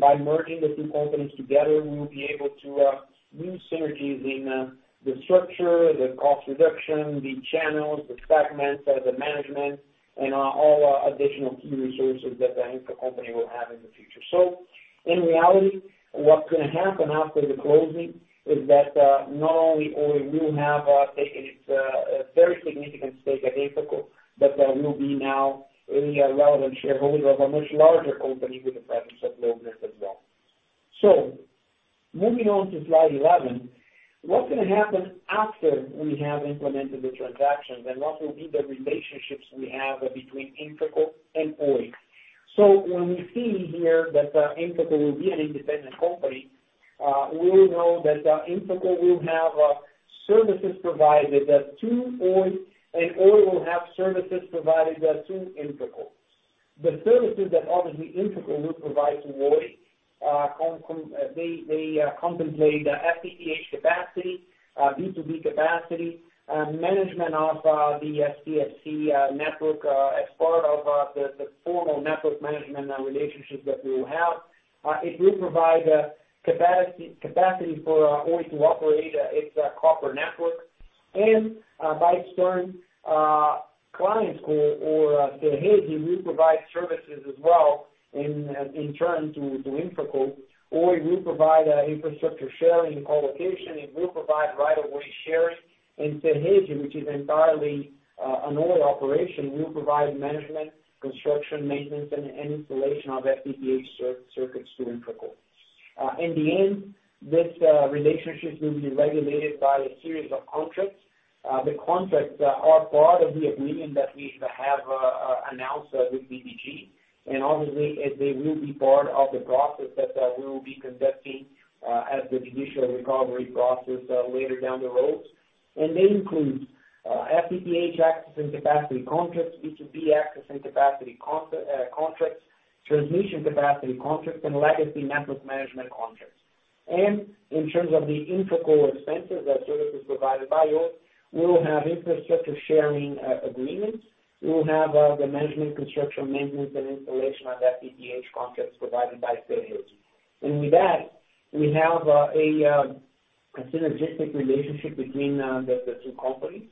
By merging the two companies together, we will be able to use synergies in the structure, the cost reduction, the channels, the segments, the management, and all additional key resources that the InfraCo will have in the future. In reality, what's going to happen after the closing is that not only Oi will have taken its very significant stake at InfraCo, but there will be now a relevant shareholder of a much larger company with the presence of GlobeNet as well. Moving on to slide 11. What's going to happen after we have implemented the transactions, and what will be the relationships we have between InfraCo and Oi? When we see here that InfraCo will be an independent company, we will know that InfraCo will have services provided to Oi, and Oi will have services provided to InfraCo. The services that obviously InfraCo will provide to Oi, they contemplate FTTH capacity, B2B capacity, management of the STFC network as part of the formal network management relationship that we will have. It will provide capacity for Oi to operate its copper network. By turn, ClientCo or Serede will provide services as well in turn to InfraCo. Oi will provide infrastructure sharing and co-location. It will provide right-of-way sharing. Serede, which is entirely an Oi operation, will provide management, construction, maintenance, and installation of FTTH circuits to InfraCo. In the end, this relationship will be regulated by a series of contracts. The contracts are part of the agreement that we have announced with BTG Pactual, and obviously, they will be part of the process that we will be conducting as the judicial recovery process later down the road. They include FTTH access and capacity contracts, B2B access and capacity contracts, transmission capacity contracts, and legacy network management contracts. In terms of the InfraCo expenses, that service is provided by Oi. We will have infrastructure sharing agreements. We will have the management, construction, maintenance, and installation of FTTH contracts provided by Serede. With that, we have a synergistic relationship between the two companies,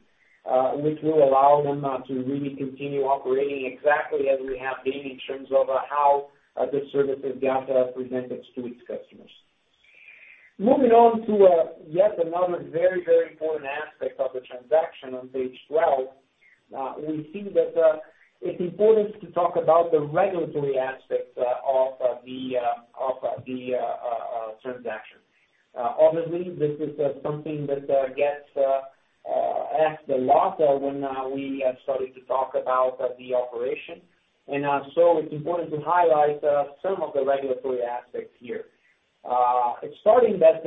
which will allow them to really continue operating exactly as we have been in terms of how the services are presented to its customers. Moving on to yet another very important aspect of the transaction on page 12. We think that it's important to talk about the regulatory aspects of the transaction. Obviously, this is something that gets asked a lot when we have started to talk about the operation. It's important to highlight some of the regulatory aspects here. Starting by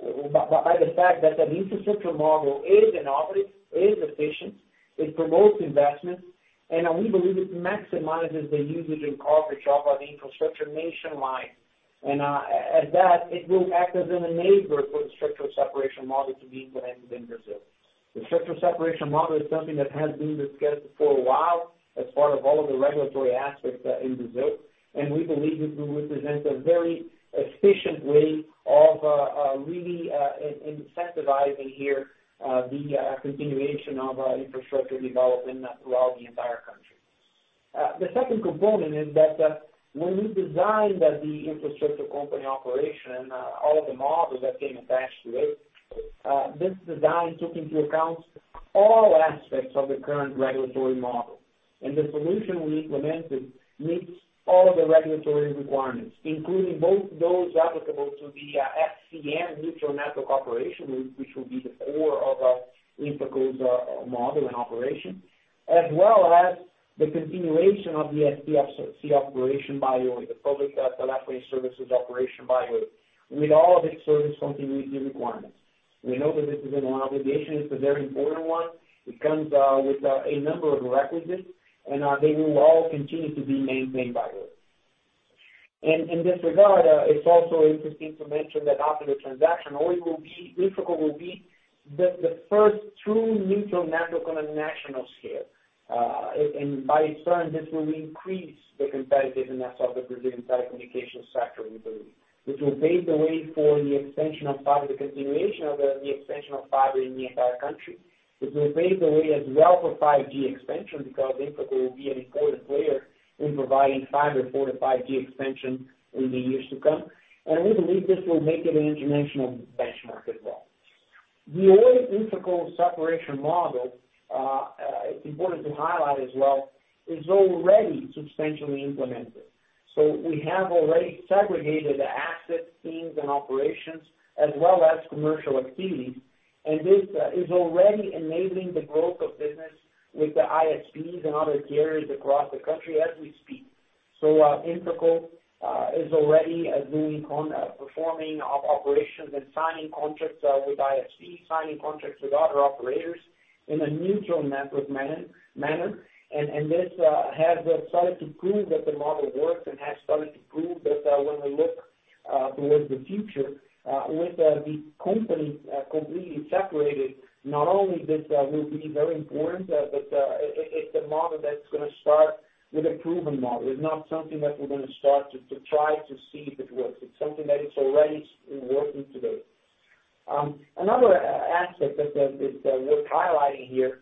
the fact that an infrastructure model is innovative, is efficient, it promotes investment, and we believe it maximizes the usage and coverage of the infrastructure nationwide. At that, it will act as an enabler for the structural separation model to be implemented in Brazil. The structural separation model is something that has been discussed for a while as part of all of the regulatory aspects in Brazil, and we believe it will represent a very efficient way of really incentivizing here the continuation of infrastructure development throughout the entire country. The second component is that when we designed the infrastructure company operation and all of the models that came attached to it, this design took into account all aspects of the current regulatory model. The solution we implemented meets all of the regulatory requirements, including both those applicable to the non-neutral network operation, which will be the core of InfraCo's model and operation. As well as the continuation of the STFC operation by Oi, the public telecommunications services operation by Oi, with all of its service continuity requirements. We know that this is an obligation. It's a very important one. It comes with a number of requisites, and they will all continue to be maintained by us. In this regard, it's also interesting to mention that after the transaction, InfraCo will be the first true neutral network on a national scale. By its turn, this will increase the competitiveness of the Brazilian telecommunication sector, we believe, which will pave the way for the extension of fiber, the continuation of the extension of fiber in the entire country. It will pave the way as well for 5G expansion because InfraCo will be an important player in providing fiber for the 5G expansion in the years to come. We believe this will make it an international benchmark as well. The Oi-InfraCo separation model, it's important to highlight as well, is already substantially implemented. We have already segregated the assets, teams, and operations, as well as commercial activities, and this is already enabling the growth of business with the ISPs and other carriers across the country as we speak. InfraCo is already doing on performing operations and signing contracts with ISPs, signing contracts with other operators in a neutral network manner. This has started to prove that the model works and has started to prove that when we look towards the future, with the company completely separated, not only this will be very important, but it's a model that's going to start with a proven model. It's not something that we're going to start to try to see if it works. It's something that is already working today. Another aspect that is worth highlighting here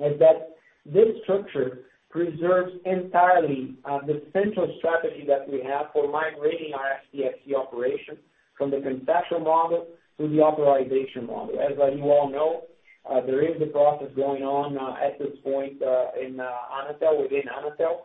is that this structure preserves entirely the central strategy that we have for migrating our STFC operation from the concession model to the authorization model. As you all know, there is a process going on at this point within Anatel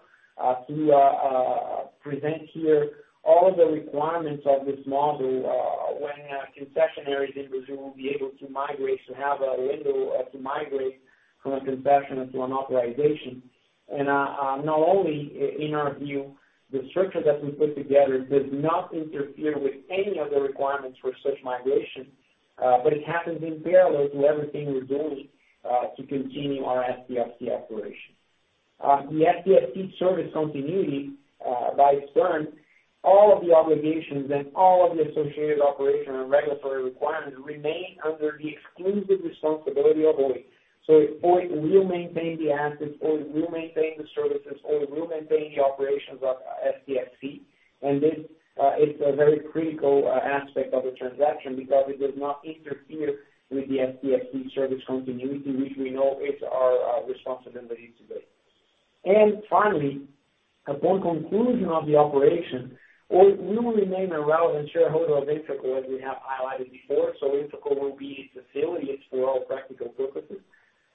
to present here all the requirements of this model when concessionaires in Brazil will be able to migrate, to have a window to migrate from a concession into an authorization. Not only in our view, the structure that we put together does not interfere with any of the requirements for such migration, but it happens in parallel to everything we're doing to continue our STFC operation. The STFC service continuity, by its turn, all of the obligations and all of the associated operational and regulatory requirements remain under the exclusive responsibility of Oi. Oi will maintain the assets, Oi will maintain the services, Oi will maintain the operations of STFC. This is a very critical aspect of the transaction because it does not interfere with the STFC service continuity, which we know is our responsibility today. Finally, upon conclusion of the operation, Oi will remain a relevant shareholder of InfraCo, as we have highlighted before. InfraCo will be a subsidiary for all practical purposes,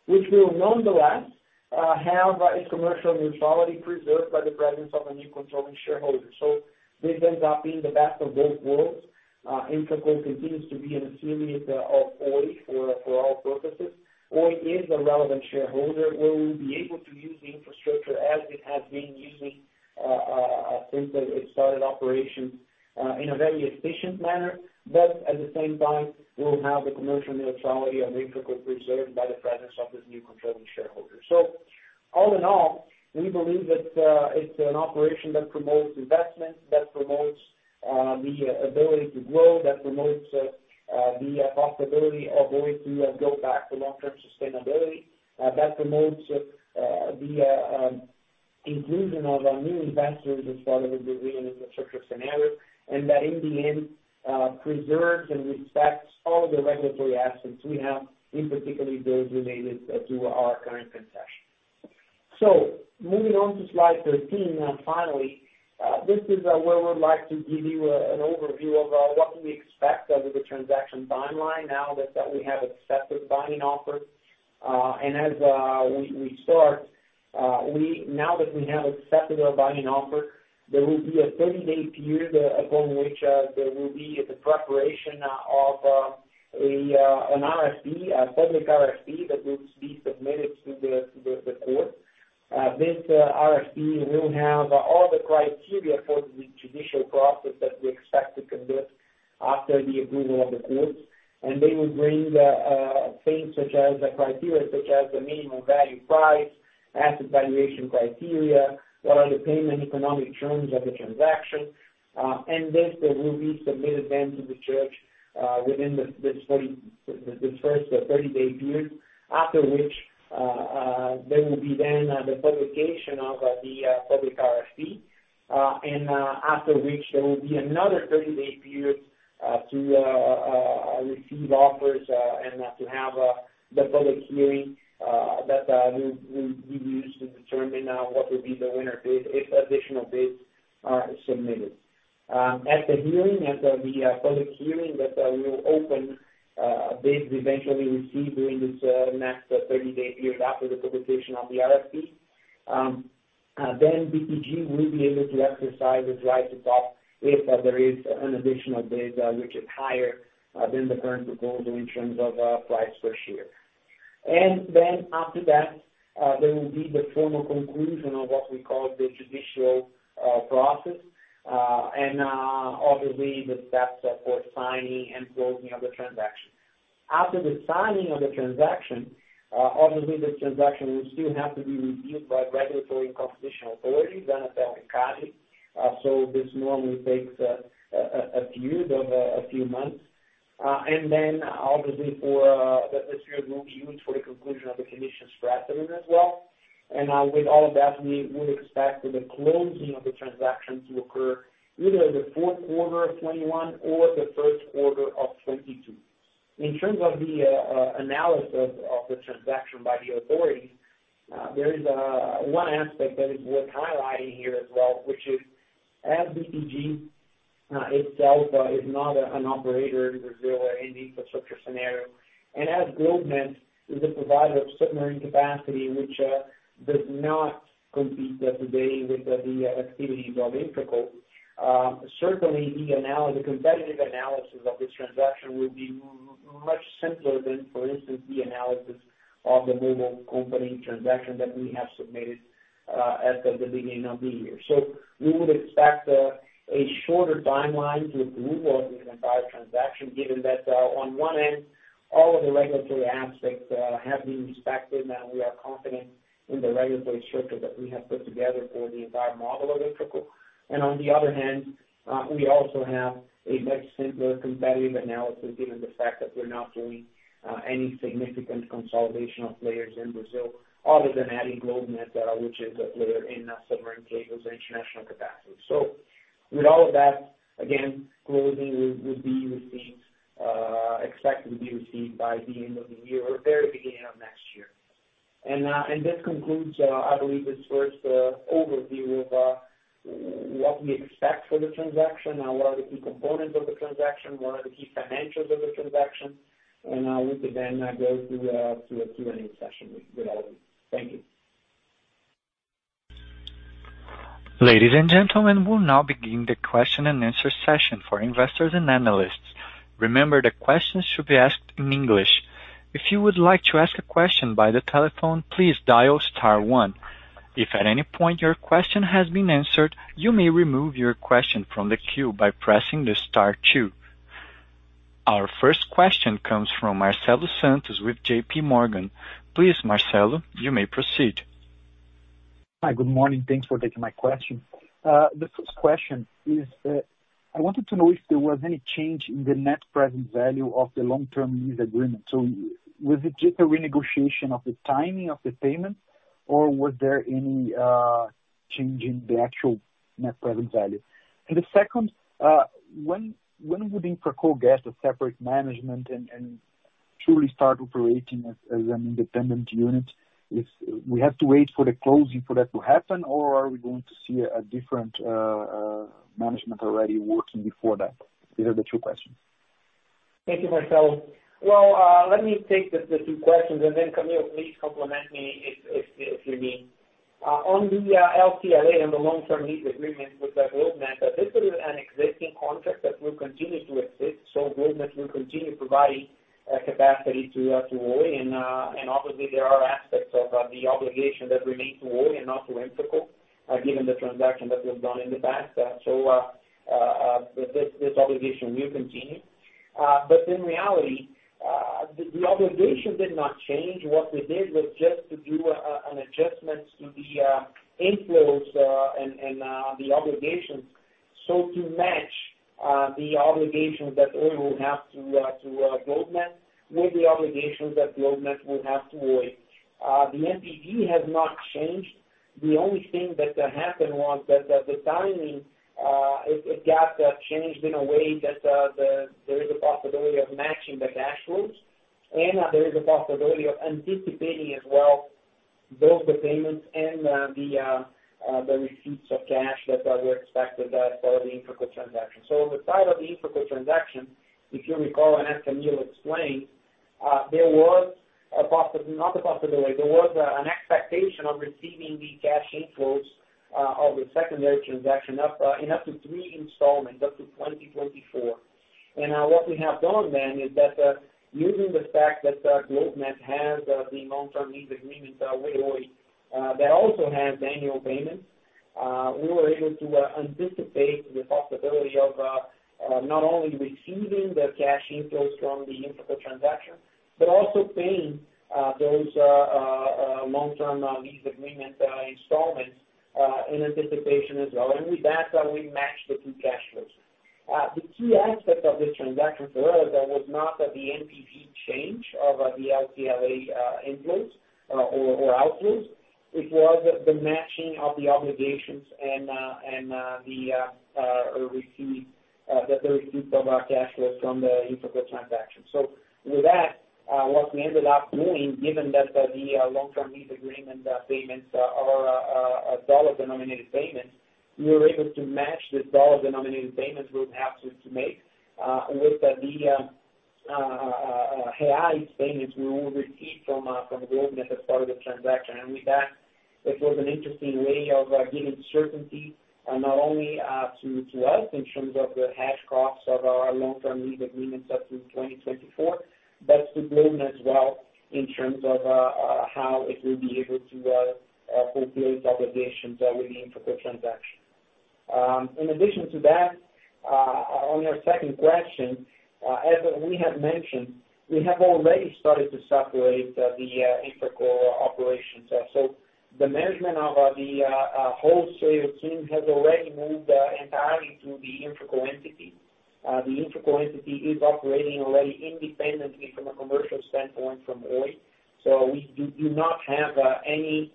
which will nonetheless have its commercial neutrality preserved by the presence of a new controlling shareholder. This ends up being the best of both worlds. InfraCo continues to be a subsidiary of Oi for all purposes. Oi is the relevant shareholder where we'll be able to use the infrastructure as it has been using since it started operations in a very efficient manner. At the same time, we will have the commercial neutrality of InfraCo preserved by the presence of this new controlling shareholder. All in all, we believe that it's an operation that promotes investment, that promotes the ability to grow, that promotes the possibility of Oi to go back to long-term sustainability, that promotes the inclusion of new investors as part of the Brazilian infrastructure scenario, and that in the end, preserves and respects all the regulatory assets we have, in particularly those related to our current concession. Moving on to slide 13, and finally, this is where we'd like to give you an overview of what we expect out of the transaction timeline now that we have accepted the binding offer. As we start, now that we have accepted our binding offer, there will be a 30-day period upon which there will be the preparation of a public RFP that will be submitted to the court. This RFP will have all the criteria for the judicial process that we expect to conduct after the approval of the court. They will bring things such as the criteria, such as the minimum value price, asset valuation criteria, what are the payment economic terms of the transaction. This will be submitted then to the judge within this first 30-day period. After which, there will be then the publication of the public RFP. After which, there will be another 30-day period to receive offers and to have the public hearing that we'll use to determine what will be the winner bid if additional bids are submitted. At the public hearing that will open bids eventually received during this next 30-day period after the publication of the RFP, BTG will be able to exercise its right to top if there is an additional bid which is higher than the current proposal in terms of price per share. After that, there will be the formal conclusion of what we call the judicial process, and obviously the steps for signing and closing of the transaction. After the signing of the transaction, obviously this transaction will still have to be reviewed by regulatory and competition authorities, Anatel and CADE. This normally takes a period of a few months. Obviously, this period will be used for the conclusion of the conditions precedent as well. With all of that, we would expect the closing of the transaction to occur either the fourth quarter of 2021 or the first quarter of 2022. In terms of the analysis of the transaction by the authorities, there is one aspect that is worth highlighting here as well, which is as BTG itself is not an operator in Brazil or any infrastructure scenario, and as GlobeNet is a provider of submarine capacity, which does not compete day-to-day with the activities of InfraCo, certainly the competitive analysis of this transaction will be much simpler than, for instance, the analysis of the mobile company transaction that we have submitted at the beginning of the year. We would expect a shorter timeline to approval of the entire transaction, given that on one end, all of the regulatory aspects have been respected, and we are confident in the regulatory structure that we have put together for the entire model of InfraCo. On the other hand, we also have a much simpler competitive analysis, given the fact that we're not doing any significant consolidation of players in Brazil other than adding GlobeNet, which is a player in submarine cables or international capacity. With all of that, again, closing would be expected to be received by the end of the year or very beginning of next year. This concludes, I believe, this first overview of what we expect for the transaction and what are the key components of the transaction, what are the key financials of the transaction. We could then go to a Q&A session with all of you. Thank you. Ladies and gentlemen, we will now begin the question-and-answer session for investors and analysts. Remember, the questions should be asked in English. If you would like to ask a question by the telephone, please dial star one. If at any point your question has been answered, you may remove your question from the queue by pressing star two. Our first question comes from Marcelo Santos with JPMorgan. Please, Marcelo, you may proceed. Hi. Good morning. Thanks for taking my question. The first question is, I wanted to know if there was any change in the net present value of the Long-Term Lease Agreement. Was it just a renegotiation of the timing of the payment, or was there any change in the actual net present value? The second, when would InfraCo get a separate management and truly start operating as an independent unit? We have to wait for the closing for that to happen, or are we going to see a different management already working before that? These are the two questions. Thank you, Marcelo. Let me take the two questions and then Camille, please complement me if you need. On the LTLA and the Long -Term Lease Agreement with GlobeNet, this is an existing contract that will continue to exist. GlobeNet will continue providing capacity to Oi. Obviously, there are aspects of the obligation that remain to Oi and not to InfraCo, given the transaction that was done in the past. This obligation will continue. In reality, the obligation did not change. What we did was just to do an adjustment to the inflows and the obligations to match the obligations that Oi will have to GlobeNet with the obligations that GlobeNet will have to Oi. The NPV has not changed. The only thing that happened was that the timing, it got changed in a way that there is a possibility of matching the cash flows, and there is a possibility of anticipating as well, both the payments and the receipts of cash that were expected as part of the InfraCo transaction. On the side of the InfraCo transaction, if you recall, and as Camille explained, there was an expectation of receiving the cash inflows of the secondary transaction in up to three installments, up to 2024. What we have done then is that using the fact that GlobeNet has the Long-Term Lease Agreement with Oi, that also has annual payments, we were able to anticipate the possibility of not only receiving the cash inflows from the InfraCo transaction, but also paying those Long-Term Lease Agreement installments in anticipation as well. With that, we matched the two cash flows. The key aspect of this transaction for us was not that the NPV changed of the LTLA inflows or outflows. It was the matching of the obligations and the receipt of our cash flow from the InfraCo transaction. With that, what we ended up doing, given that the long-term lease agreement payments are a USD-denominated payment, we were able to match this USD-denominated payment we would have to make with the BRL payments we will receive from GlobeNet as part of the transaction. With that, it was an interesting way of giving certainty not only to us in terms of the hedge costs of our long-term lease agreements up to 2024, but to GlobeNet as well in terms of how it will be able to fulfill its obligations with the InfraCo transaction. In addition to that, on your second question, as we have mentioned, we have already started to separate the InfraCo operations. The management of the wholesale team has already moved entirely to the InfraCo entity. The InfraCo entity is operating already independently from a commercial standpoint from Oi. We do not have any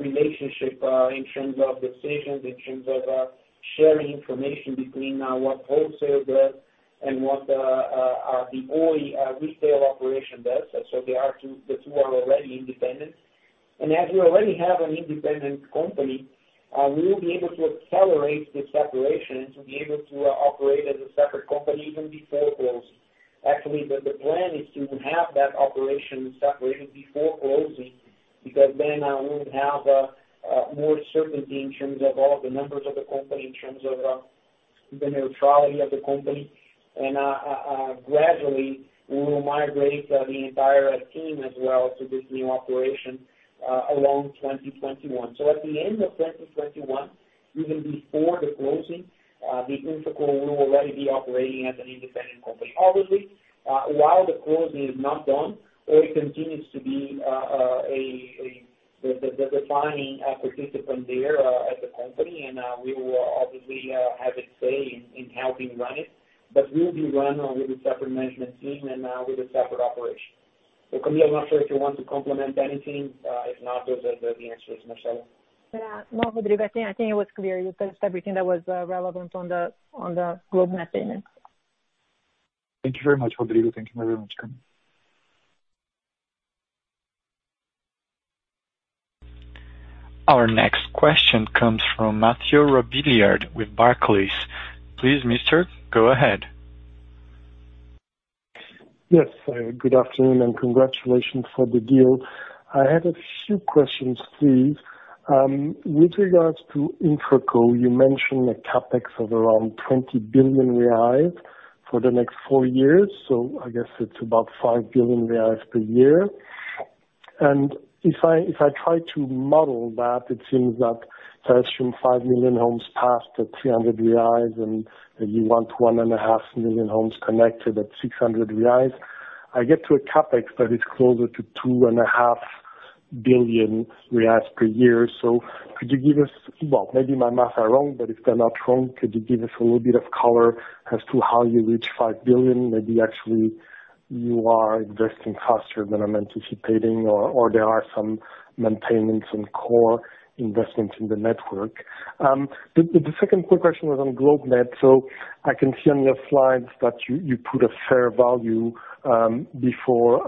relationship in terms of decisions, in terms of sharing information between what wholesale does and what the Oi retail operation does. The two are already independent. As we already have an independent company, we will be able to accelerate the separation to be able to operate as a separate company even before closing. Actually, the plan is to have that operation separation before closing, because then we would have more certainty in terms of all the members of the company, in terms of the neutrality of the company. Gradually, we will migrate the entire team as well to this new operation along 2021. At the end of 2021, even before the closing, the InfraCo will already be operating as an independent company. Obviously, while the closing is not done, Oi continues to be the defining participant there at the company, and we will obviously have a say in helping run it, but we'll be run with a separate management team and with a separate operation. Camille, I'm not sure if you want to complement anything. If not, those are the answers, Marcelo. No, Rodrigo, I think it was clear. You touched everything that was relevant on the GlobeNet payment. Thank you very much, Rodrigo. Thank you very much, Camille. Our next question comes from Mathieu Robilliard with Barclays. Please, mister, go ahead. Yes. Good afternoon and congratulations for the deal. I had a few questions, please. With regards to InfraCo, you mentioned a CapEx of around 20 billion reais for the next four years, so I guess it's about 5 billion reais per year. If I try to model that, it seems that there's some 5 million homes passed at 300 reais, and you want 1.5 million homes connected at 600 reais. I get to a CapEx that is closer to 2.5 billion reais per year. Could you give us-- Well, maybe my math is wrong, but if they're not wrong, could you give us a little bit of color as to how you reach 5 billion? Maybe actually you are investing faster than I'm anticipating, or there are some maintenance and core investments in the network. The second quick question was on GlobeNet. I can see on your slides that you put a fair value before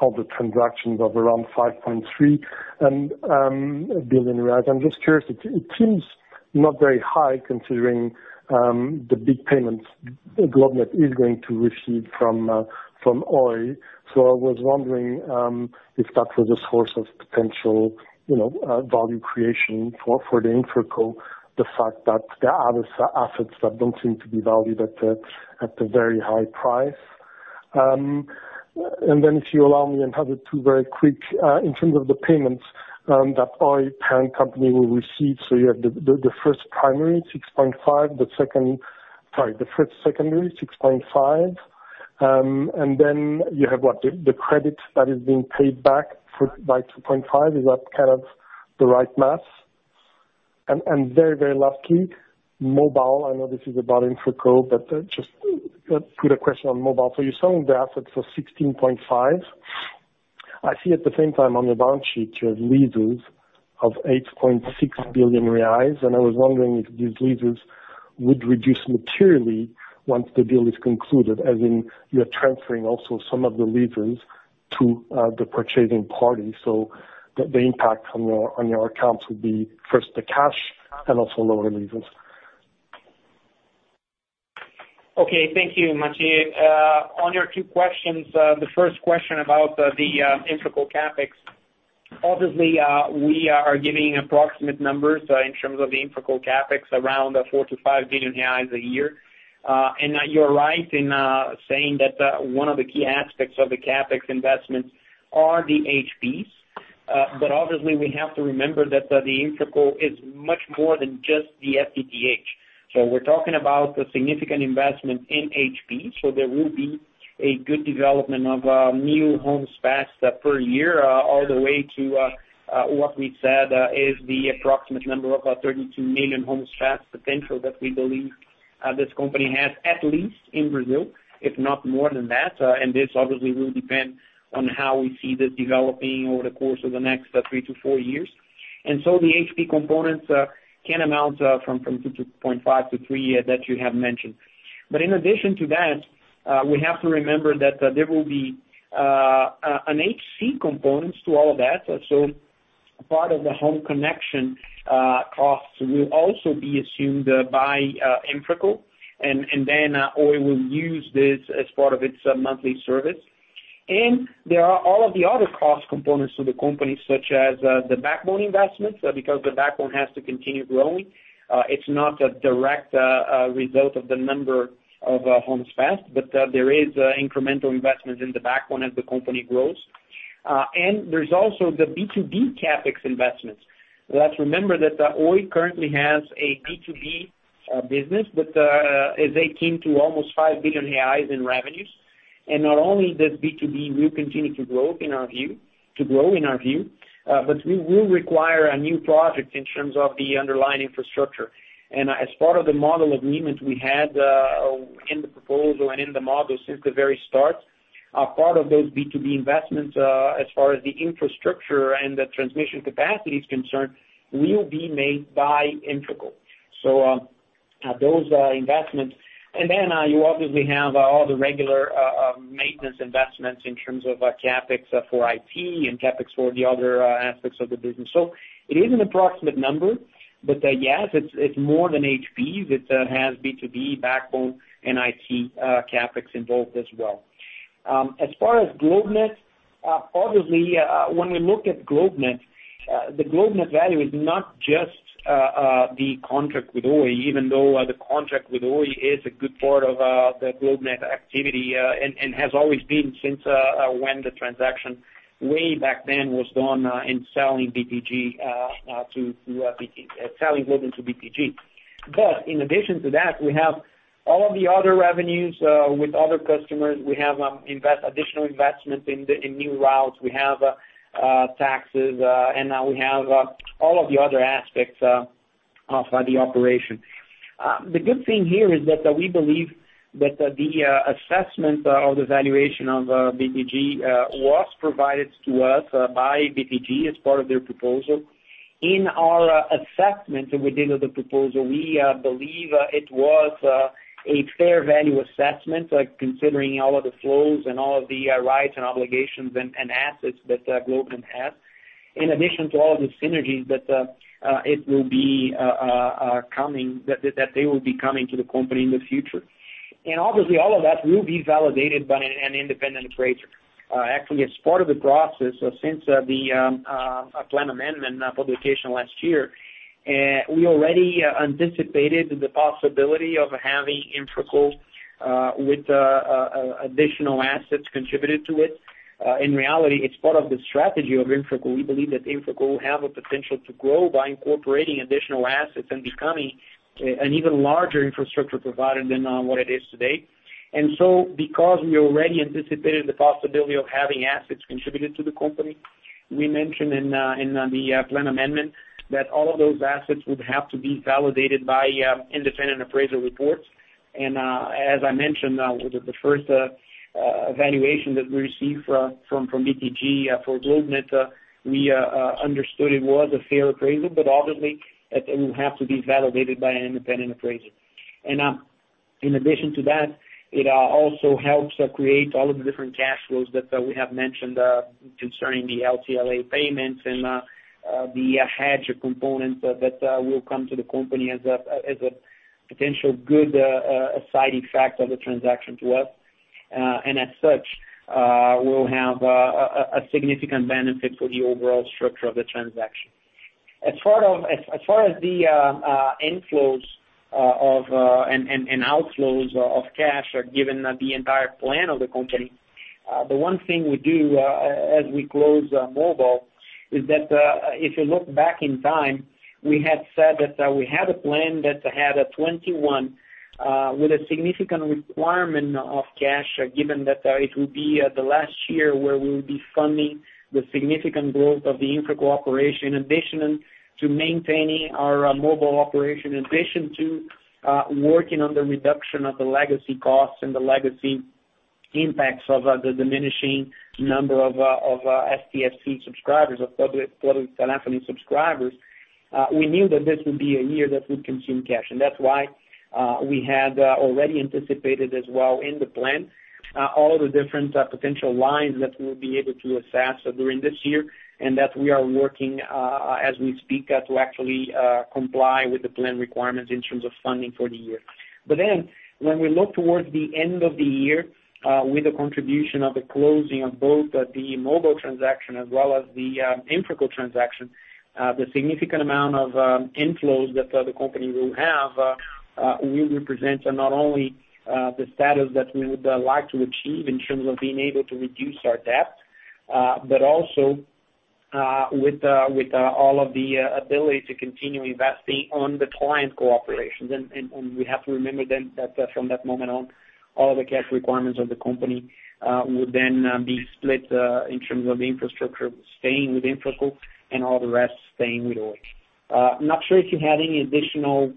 all the transactions of around 5.3 billion reais. I'm just curious, it seems not very high considering the big payments GlobeNet is going to receive from Oi. I was wondering if that was a source of potential value creation for the InfraCo, the fact that there are other assets that don't seem to be valued at a very high price. If you allow me and have it two very quick. In terms of the payments that Oi parent company will receive, you have the first primary, 6.5, sorry, the first secondary, 6.5. You have what? The credit that is being paid back by 2.5, is that kind of the right math? Lastly, mobile, I know this is about InfraCo, but just put a question on mobile. You're selling the assets for 16.5. I see at the same time on the balance sheet, you have leases of 8.6 billion reais. I was wondering if these leases would reduce materially once the deal is concluded, as in you're transferring also some of the leases to the purchasing party, so the impact on your accounts will be first the cash and also lower leases. Okay. Thank you, Mathieu. On your two questions, the first question about the InfraCo CapEx, obviously, we are giving approximate numbers in terms of the InfraCo CapEx, around 4 billion-5 billion reais a year. You're right in saying that one of the key aspects of the CapEx investments is the HPs. Obviously, we have to remember that the InfraCo is much more than just the FTTH. We're talking about a significant investment in HP. There will be a good development of new homes passed per year, all the way to what we've said is the approximate number of 32 million homes passed potential that we believe this company has, at least in Brazil, if not more than that. This obviously will depend on how we see this developing over the course of the next three to four years. The HP components can amount from 2.5 to 3 that you have mentioned. In addition to that, we have to remember that there will be an HC component to all of that. Part of the home connection costs will also be assumed by InfraCo, and then Oi will use this as part of its monthly service. There are all of the other cost components to the company, such as the backbone investments, because the backbone has to continue growing. It's not a direct result of the number of homes passed, but there is incremental investment in the backbone as the company grows. There's also the B2B CapEx investments. Let's remember that Oi currently has a B2B business, but as they came to almost 5 billion reais in revenues. Not only does B2B will continue to grow in our view, but we will require a new project in terms of the underlying infrastructure. As part of the model agreements, we had in the proposal and in the model since the very start, part of those B2B investments, as far as the infrastructure and the transmission capacity are concerned, will be made by InfraCo. Those investments. Then you obviously have all the regular maintenance investments in terms of CapEx for IT and CapEx for the other aspects of the business. It is an approximate number, but yes, it's more than OpEx. It has B2B backbone and IT CapEx involved as well. As far as GlobeNet, obviously, when we look at GlobeNet, the GlobeNet value is not just the contract with Oi, even though the contract with Oi is a good part of the GlobeNet activity, and has always been since when the transaction way back then was done in selling BTG to selling to BTG. In addition to that, we have all of the other revenues with other customers. We have additional investment in new routes. We have taxes, and now we have all of the other aspects of the operation. The good thing here is that we believe that the assessment of the valuation of BTG was provided to us by BTG as part of their proposal. In our assessment that we did of the proposal, we believe it was a fair value assessment, considering all of the flows and all of the rights and obligations and assets that GlobeNet has, in addition to all of the synergies that they will be coming to the company in the future. Obviously, all of that will be validated by an independent appraiser. Actually, as part of the process since the plan amendment publication last year, we already anticipated the possibility of having InfraCo with additional assets contributed to it. In reality, it's part of the strategy of InfraCo. We believe that InfraCo have a potential to grow by incorporating additional assets and becoming an even larger infrastructure provider than what it is today. Because we already anticipated the possibility of having assets contributed to the company, we mentioned in the plan amendment that all of those assets would have to be validated by independent appraisal reports. As I mentioned, the first valuation that we received from BTG for GlobeNet, we understood it was a fair appraisal, but obviously it will have to be validated by an independent appraiser. In addition to that, it also helps create all of the different cash flows that we have mentioned concerning the LTLA payments and the hedge components that will come to the company as a potential good side effect of the transaction to us. As such, we'll have a significant benefit for the overall structure of the transaction. As far as the inflows and outflows of cash are given the entire plan of the company. The one thing we do as we close mobile is that, if you look back in time, we had said that we had a plan that had a 2021 with a significant requirement of cash, given that it will be the last year where we will be funding the significant growth of the InfraCo operation, in addition to maintaining our mobile operation, in addition to working on the reduction of the legacy costs and the legacy impacts of the diminishing number of STFC subscribers, of public telephony subscribers. We knew that this would be a year that would consume cash. That's why we had already anticipated as well in the plan all of the different potential lines that we'll be able to assess during this year, and that we are working, as we speak, to actually comply with the plan requirements in terms of funding for the year. When we look towards the end of the year, with the contribution of the closing of both the mobile transaction as well as the InfraCo transaction, the significant amount of inflows that the company will have will represent not only the status that we would like to achieve in terms of being able to reduce our debt. Also, with all of the ability to continue investing on the client corporations. We have to remember then that from that moment on, all the cash requirements of the company will then be split, in terms of the infrastructure staying with InfraCo and all the rest staying with Oi. I'm not sure if you had any additional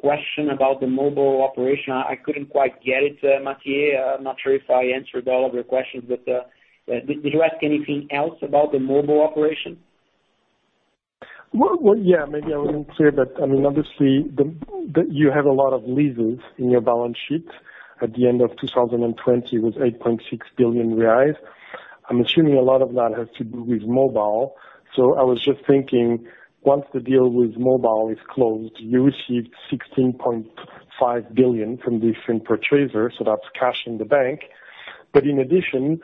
question about the mobile operation. I couldn't quite get it, Mathieu. I'm not sure if I answered all of your questions, but did you ask anything else about the mobile operation? Yeah. Maybe I wasn't clear, but obviously, you have a lot of leases in your balance sheet at the end of 2020 with 8.6 billion reais. I'm assuming a lot of that has to do with mobile. I was just thinking, once the deal with mobile is closed, you received 16.5 billion from different purchasers, so that's cash in the bank. In addition,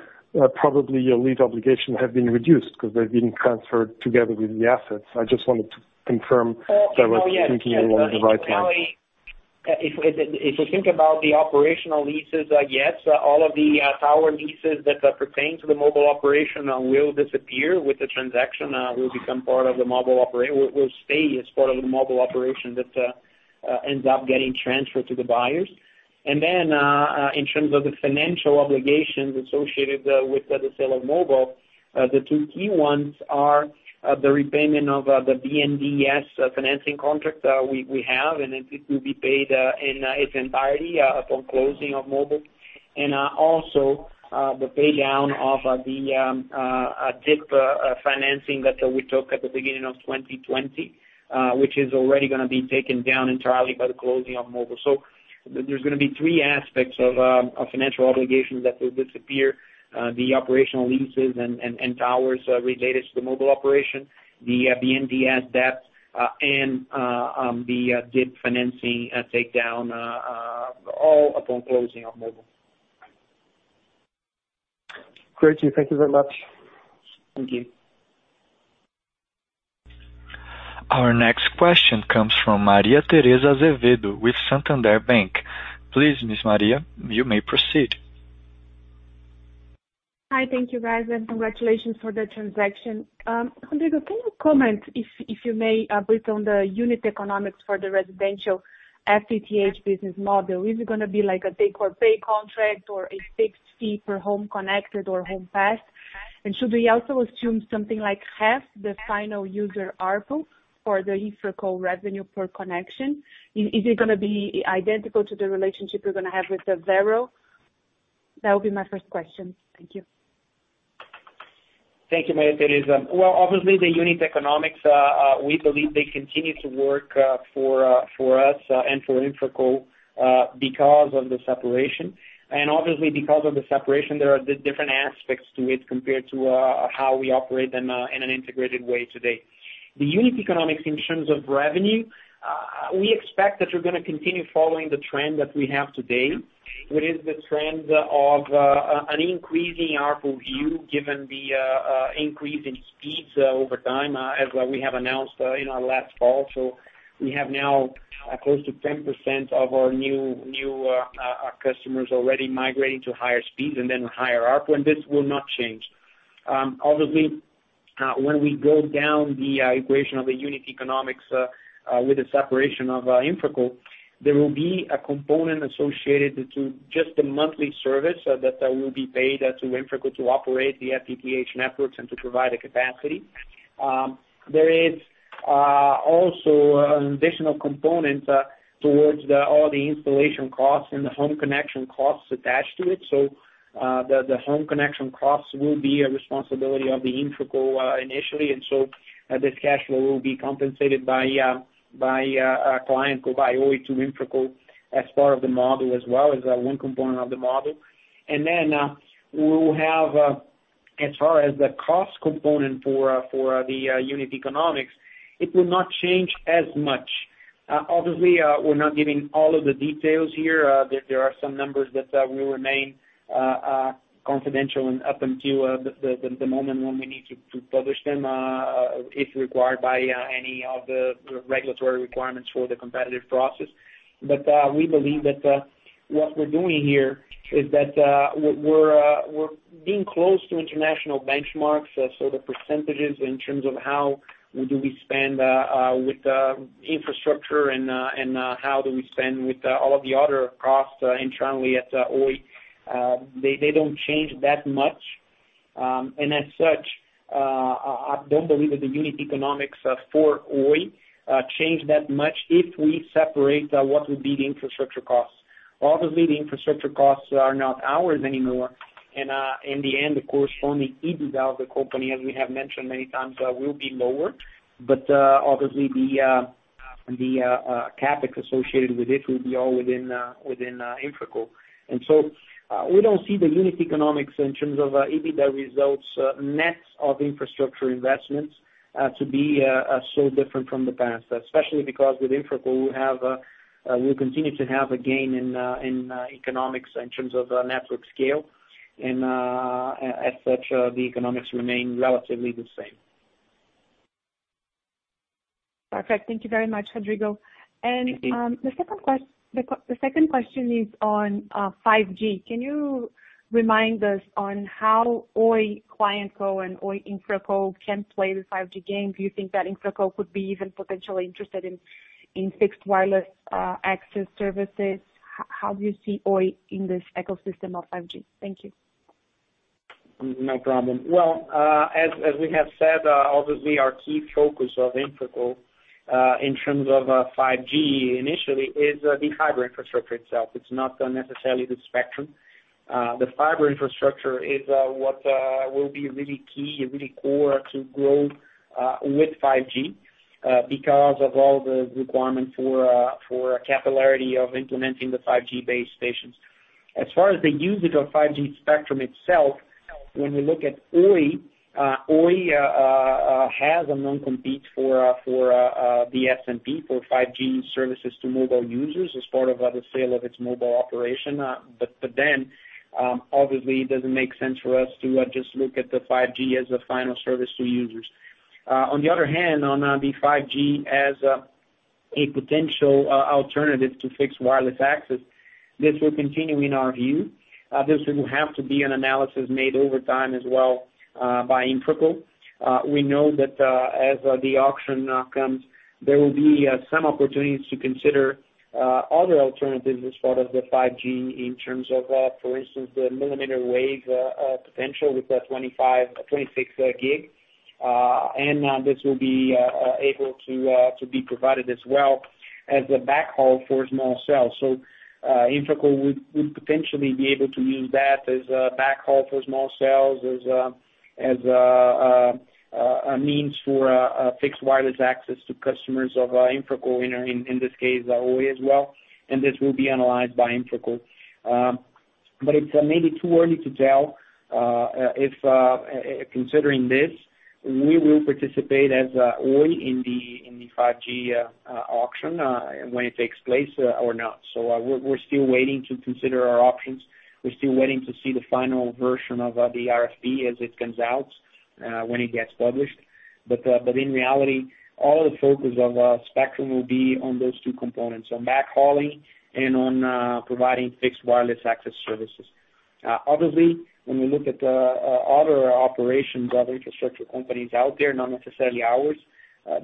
probably your lease obligations have been reduced because they've been transferred together with the assets. I just wanted to confirm that I was thinking along the right lines. If you think about the operational leases, yes. All of the tower leases that pertain to the mobile operation will disappear with the transaction, will stay as part of the mobile operation that ends up getting transferred to the buyers. In terms of the financial obligations associated with the sale of mobile, the two key ones are the repayment of the BNDES financing contract we have, and it will be paid in its entirety upon closing of mobile. Also, the pay-down of the DIP financing that we took at the beginning of 2020, which is already going to be taken down entirely by the closing of mobile. There's going to be three aspects of financial obligations that will disappear. The operational leases and towers related to the mobile operation, the BNDES debt, and the DIP financing takedown, all upon closing of mobile. Great. Thank you very much. Thank you. Our next question comes from Maria Tereza Azevedo with SoftBank. Please, Ms. Maria, you may proceed. Hi. Thank you, guys, and congratulations for the transaction. Rodrigo, can you comment, if you may, a bit on the unit economics for the residential FTTH business model. Is it going to be like a take-or-pay contract or a fixed fee per home connected or home passed? Should we also assume something like half the final user ARPU for the InfraCo revenue per connection? Is it going to be identical to the relationship you're going to have with Vero? That would be my first question. Thank you. Thank you, Maria Tereza. Obviously, the unit economics, we believe they continue to work for us and for InfraCo, because of the separation. Obviously, because of the separation, there are different aspects to it compared to how we operate them in an integrated way today. The unit economics in terms of revenue, we expect that we're going to continue following the trend that we have today, which is the trend of an increase in ARPU, given the increase in speeds over time, as we have announced in our last call. We have now close to 10% of our new customers already migrating to higher speeds and then higher ARPU. This will not change. When we go down the equation of the unit economics with the separation of InfraCo, there will be a component associated to just the monthly service that will be paid to InfraCo to operate the FTTH networks and to provide the capacity. There is also an additional component towards all the installation costs and the home connection costs attached to it. The home connection costs will be a responsibility of the InfraCo initially, and so this cash flow will be compensated by a client or by Oi to InfraCo as part of the model as well, as one component of the model. We will have, as far as the cost component for the unit economics, it will not change as much. We're not giving all of the details here. There are some numbers that will remain confidential up until the moment when we need to publish them, if required by any of the regulatory requirements for the competitive process. We believe that what we're doing here is that we're being close to international benchmarks. The percentages in terms of how do we spend with infrastructure and how do we spend with all of the other costs internally at Oi, they don't change that much. As such, I don't believe that the unit economics for Oi change that much if we separate what would be the infrastructure costs. Obviously, the infrastructure costs are not ours anymore. In the end, of course, only EBITDA of the company, as we have mentioned many times, will be lower. Obviously, the CapEx associated with it will be all within InfraCo. We don't see the unit economics in terms of EBITDA results net of infrastructure investments to be so different from the past, especially because with InfraCo, we'll continue to have a gain in economics in terms of network scale. As such, the economics remain relatively the same. Perfect. Thank you very much, Rodrigo. The second question is on 5G. Can you remind us on how Oi ClientCo and Oi InfraCo can play the 5G game? Do you think that InfraCo could be even potentially interested in fixed wireless access services? How do you see Oi in this ecosystem of 5G? Thank you. No problem. Well, as we have said, obviously our key focus of InfraCo, in terms of 5G initially, is the fiber infrastructure itself. It's not necessarily the spectrum. The fiber infrastructure is what will be really key, really core to growth with 5G because of all the requirements for capillarity of implementing the 5G base stations. As far as the usage of 5G spectrum itself, when we look at Oi has a non-compete for the SPA for 5G services to mobile users as part of the sale of its mobile operation. Obviously, it doesn't make sense for us to just look at the 5G as a final service to users. On the other hand, on the 5G as a potential alternative to fixed wireless access, this will continue in our view. This will have to be an analysis made over time as well by InfraCo. We know that as the auction comes, there will be some opportunities to consider other alternatives as part of the 5G in terms of, for instance, the millimeter wave potential with the 26 GHz. This will be able to be provided as well as a backhaul for small cells. InfraCo would potentially be able to use that as a backhaul for small cells, as a means for fixed wireless access to customers of InfraCo, in this case, Oi as well, and this will be analyzed by InfraCo. It's maybe too early to tell if, considering this, we will participate as Oi in the 5G auction when it takes place or not. We're still waiting to consider our options. We're still waiting to see the final version of the RFP as it comes out, when it gets published. In reality, all the focus of Spectrum will be on those two components, on backhauling and on providing fixed wireless access services. When we look at other operations of infrastructure companies out there, not necessarily ours,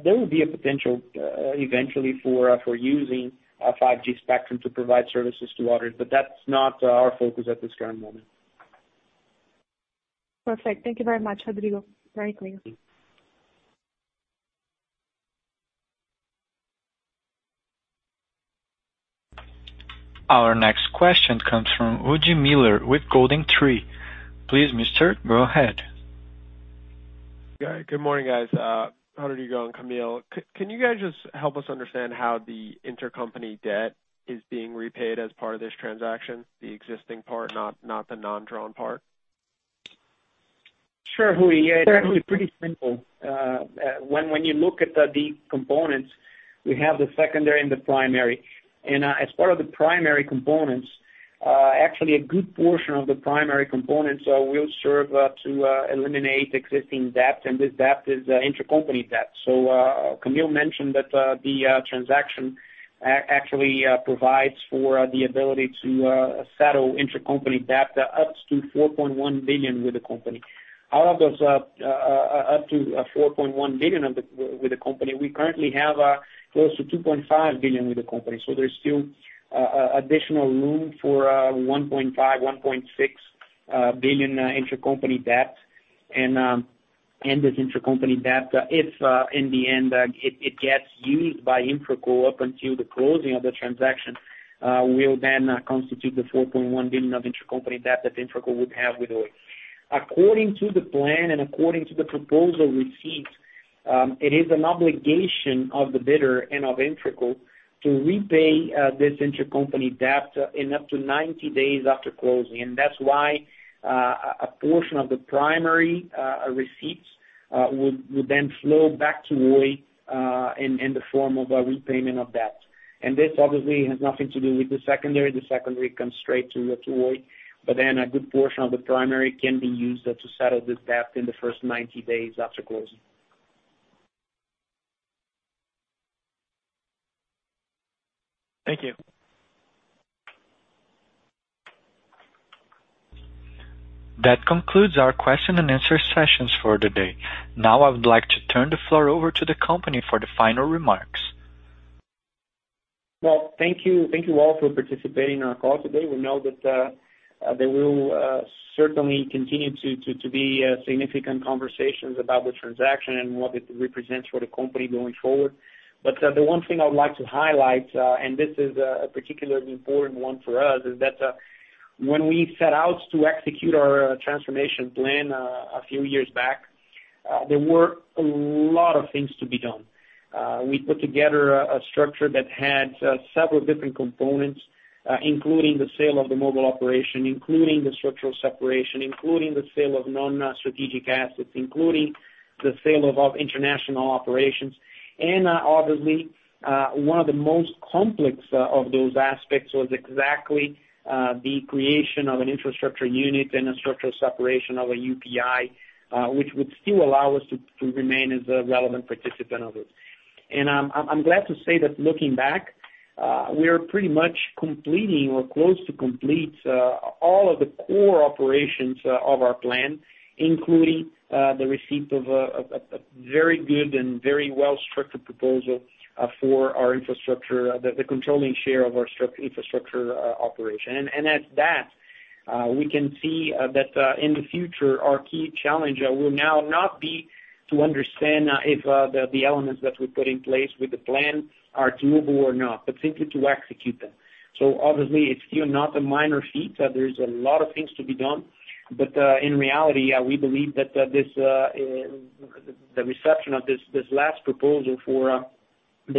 there will be a potential eventually, for using 5G spectrum to provide services to others. That's not our focus at this current moment. Perfect. Thank you very much, Rodrigo. Very clear. Our next question comes from Hudi Miller with GoldenTree. Please, Mr. Go ahead. Good morning, guys. Rodrigo and Camille, can you guys just help us understand how the intercompany debt is being repaid as part of this transaction, the existing part, not the non-drawn part? Sure, Hudi. It's actually pretty simple. When you look at the components, we have the secondary and the primary. As part of the primary components, actually, a good portion of the primary components will serve to eliminate existing debt, and this debt is intercompany debt. Camille mentioned that the transaction actually provides for the ability to settle intercompany debt up to 4.1 billion with the company. Out of those up to 4.1 billion with the company, we currently have close to 2.5 billion with the company. There's still additional room for 1.5 billion, 1.6 billion intercompany debt. This intercompany debt, if in the end it gets used by InfraCo up until the closing of the transaction, will then constitute the 4.1 billion of intercompany debt that InfraCo would have with Oi. According to the plan and according to the proposal received, it is an obligation of the bidder and of InfraCo to repay this intercompany debt in up to 90 days after closing. That's why a portion of the primary receipts will then flow back to Oi in the form of a repayment of debt. This obviously has nothing to do with the secondary. The secondary comes straight to Oi. A good portion of the primary can be used to settle this debt in the first 90 days after closing. Thank you. That concludes our question-and-answer sessions for the day. Now I would like to turn the floor over to the company for the final remarks. Well, thank you all for participating in our call today. We know that there will certainly continue to be significant conversations about the transaction and what it represents for the company going forward. The one thing I would like to highlight, and this is a particularly important one for us, is that when we set out to execute our transformation plan a few years back, there were a lot of things to be done. We put together a structure that had several different components, including the sale of the mobile operation, including the structural separation, including the sale of non-strategic assets, including the sale of international operations. Obviously, one of the most complex of those aspects was exactly the creation of an infrastructure unit and a structural separation of a UPI, which would still allow us to remain as a relevant participant of it. I'm glad to say that looking back, we are pretty much completing or close to complete all of the core operations of our plan, including the receipt of a very good and very well-structured proposal for our InfraCo, the controlling share of our InfraCo operation. At that, we can see that in the future, our key challenge will now not be to understand if the elements that we put in place with the plan are doable or not, but simply to execute them. Obviously, it's still not a minor feat. There's a lot of things to be done. In reality, we believe that the reception of this last proposal for the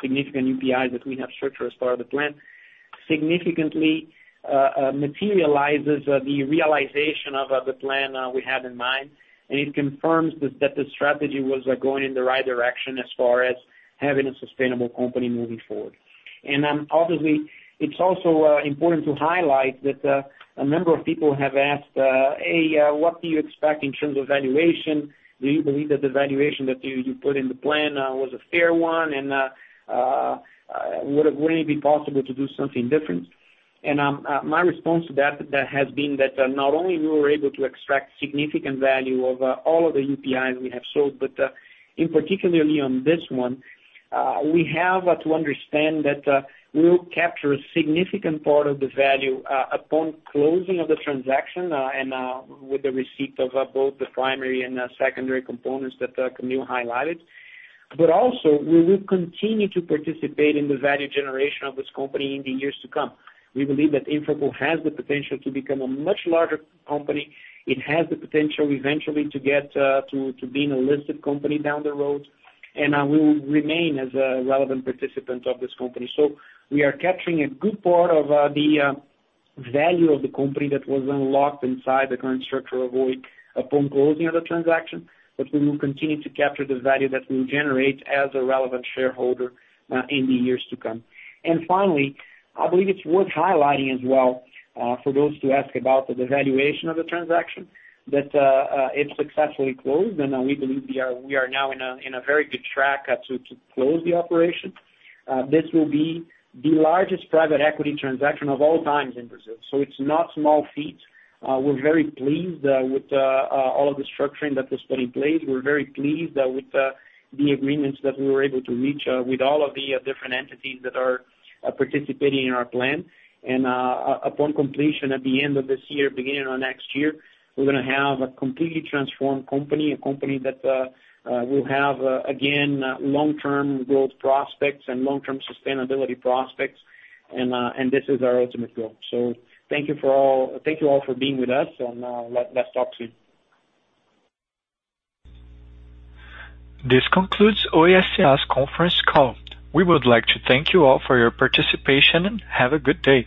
significant UPI that we have structured as part of the plan, significantly materializes the realization of the plan we have in mind. It confirms that the strategy was going in the right direction as far as having a sustainable company moving forward. Obviously, it's also important to highlight that a number of people have asked, "What do you expect in terms of valuation? Do you believe that the valuation that you put in the plan was a fair one, and would it be possible to do something different? My response to that has been that not only we were able to extract significant value of all of the UPIs we have sold, but in particularly on this one, we have to understand that we will capture a significant part of the value upon closing of the transaction and with the receipt of both the primary and secondary components that Camille highlighted. Also, we will continue to participate in the value generation of this company in the years to come. We believe that InfraCo has the potential to become a much larger company. It has the potential eventually to being a listed company down the road, and we will remain as a relevant participant of this company. We are capturing a good part of the value of the company that was unlocked inside the current structure of Oi upon closing of the transaction. We will continue to capture the value that we generate as a relevant shareholder in the years to come. Finally, I believe it's worth highlighting as well for those who ask about the valuation of the transaction, that it successfully closed, and we believe we are now in a very good track to close the operation. This will be the largest private equity transaction of all times in Brazil, so it's not small feat. We're very pleased with all of the structuring that was put in place. We're very pleased with the agreements that we were able to reach with all of the different entities that are participating in our plan. Upon completion at the end of this year, beginning of next year, we're going to have a completely transformed company, a company that will have, again, long-term growth prospects and long-term sustainability prospects, and this is our ultimate goal. Thank you all for being with us, and let's talk soon. This concludes Oi S.A.'s conference call. We would like to thank you all for your participation, and have a good day.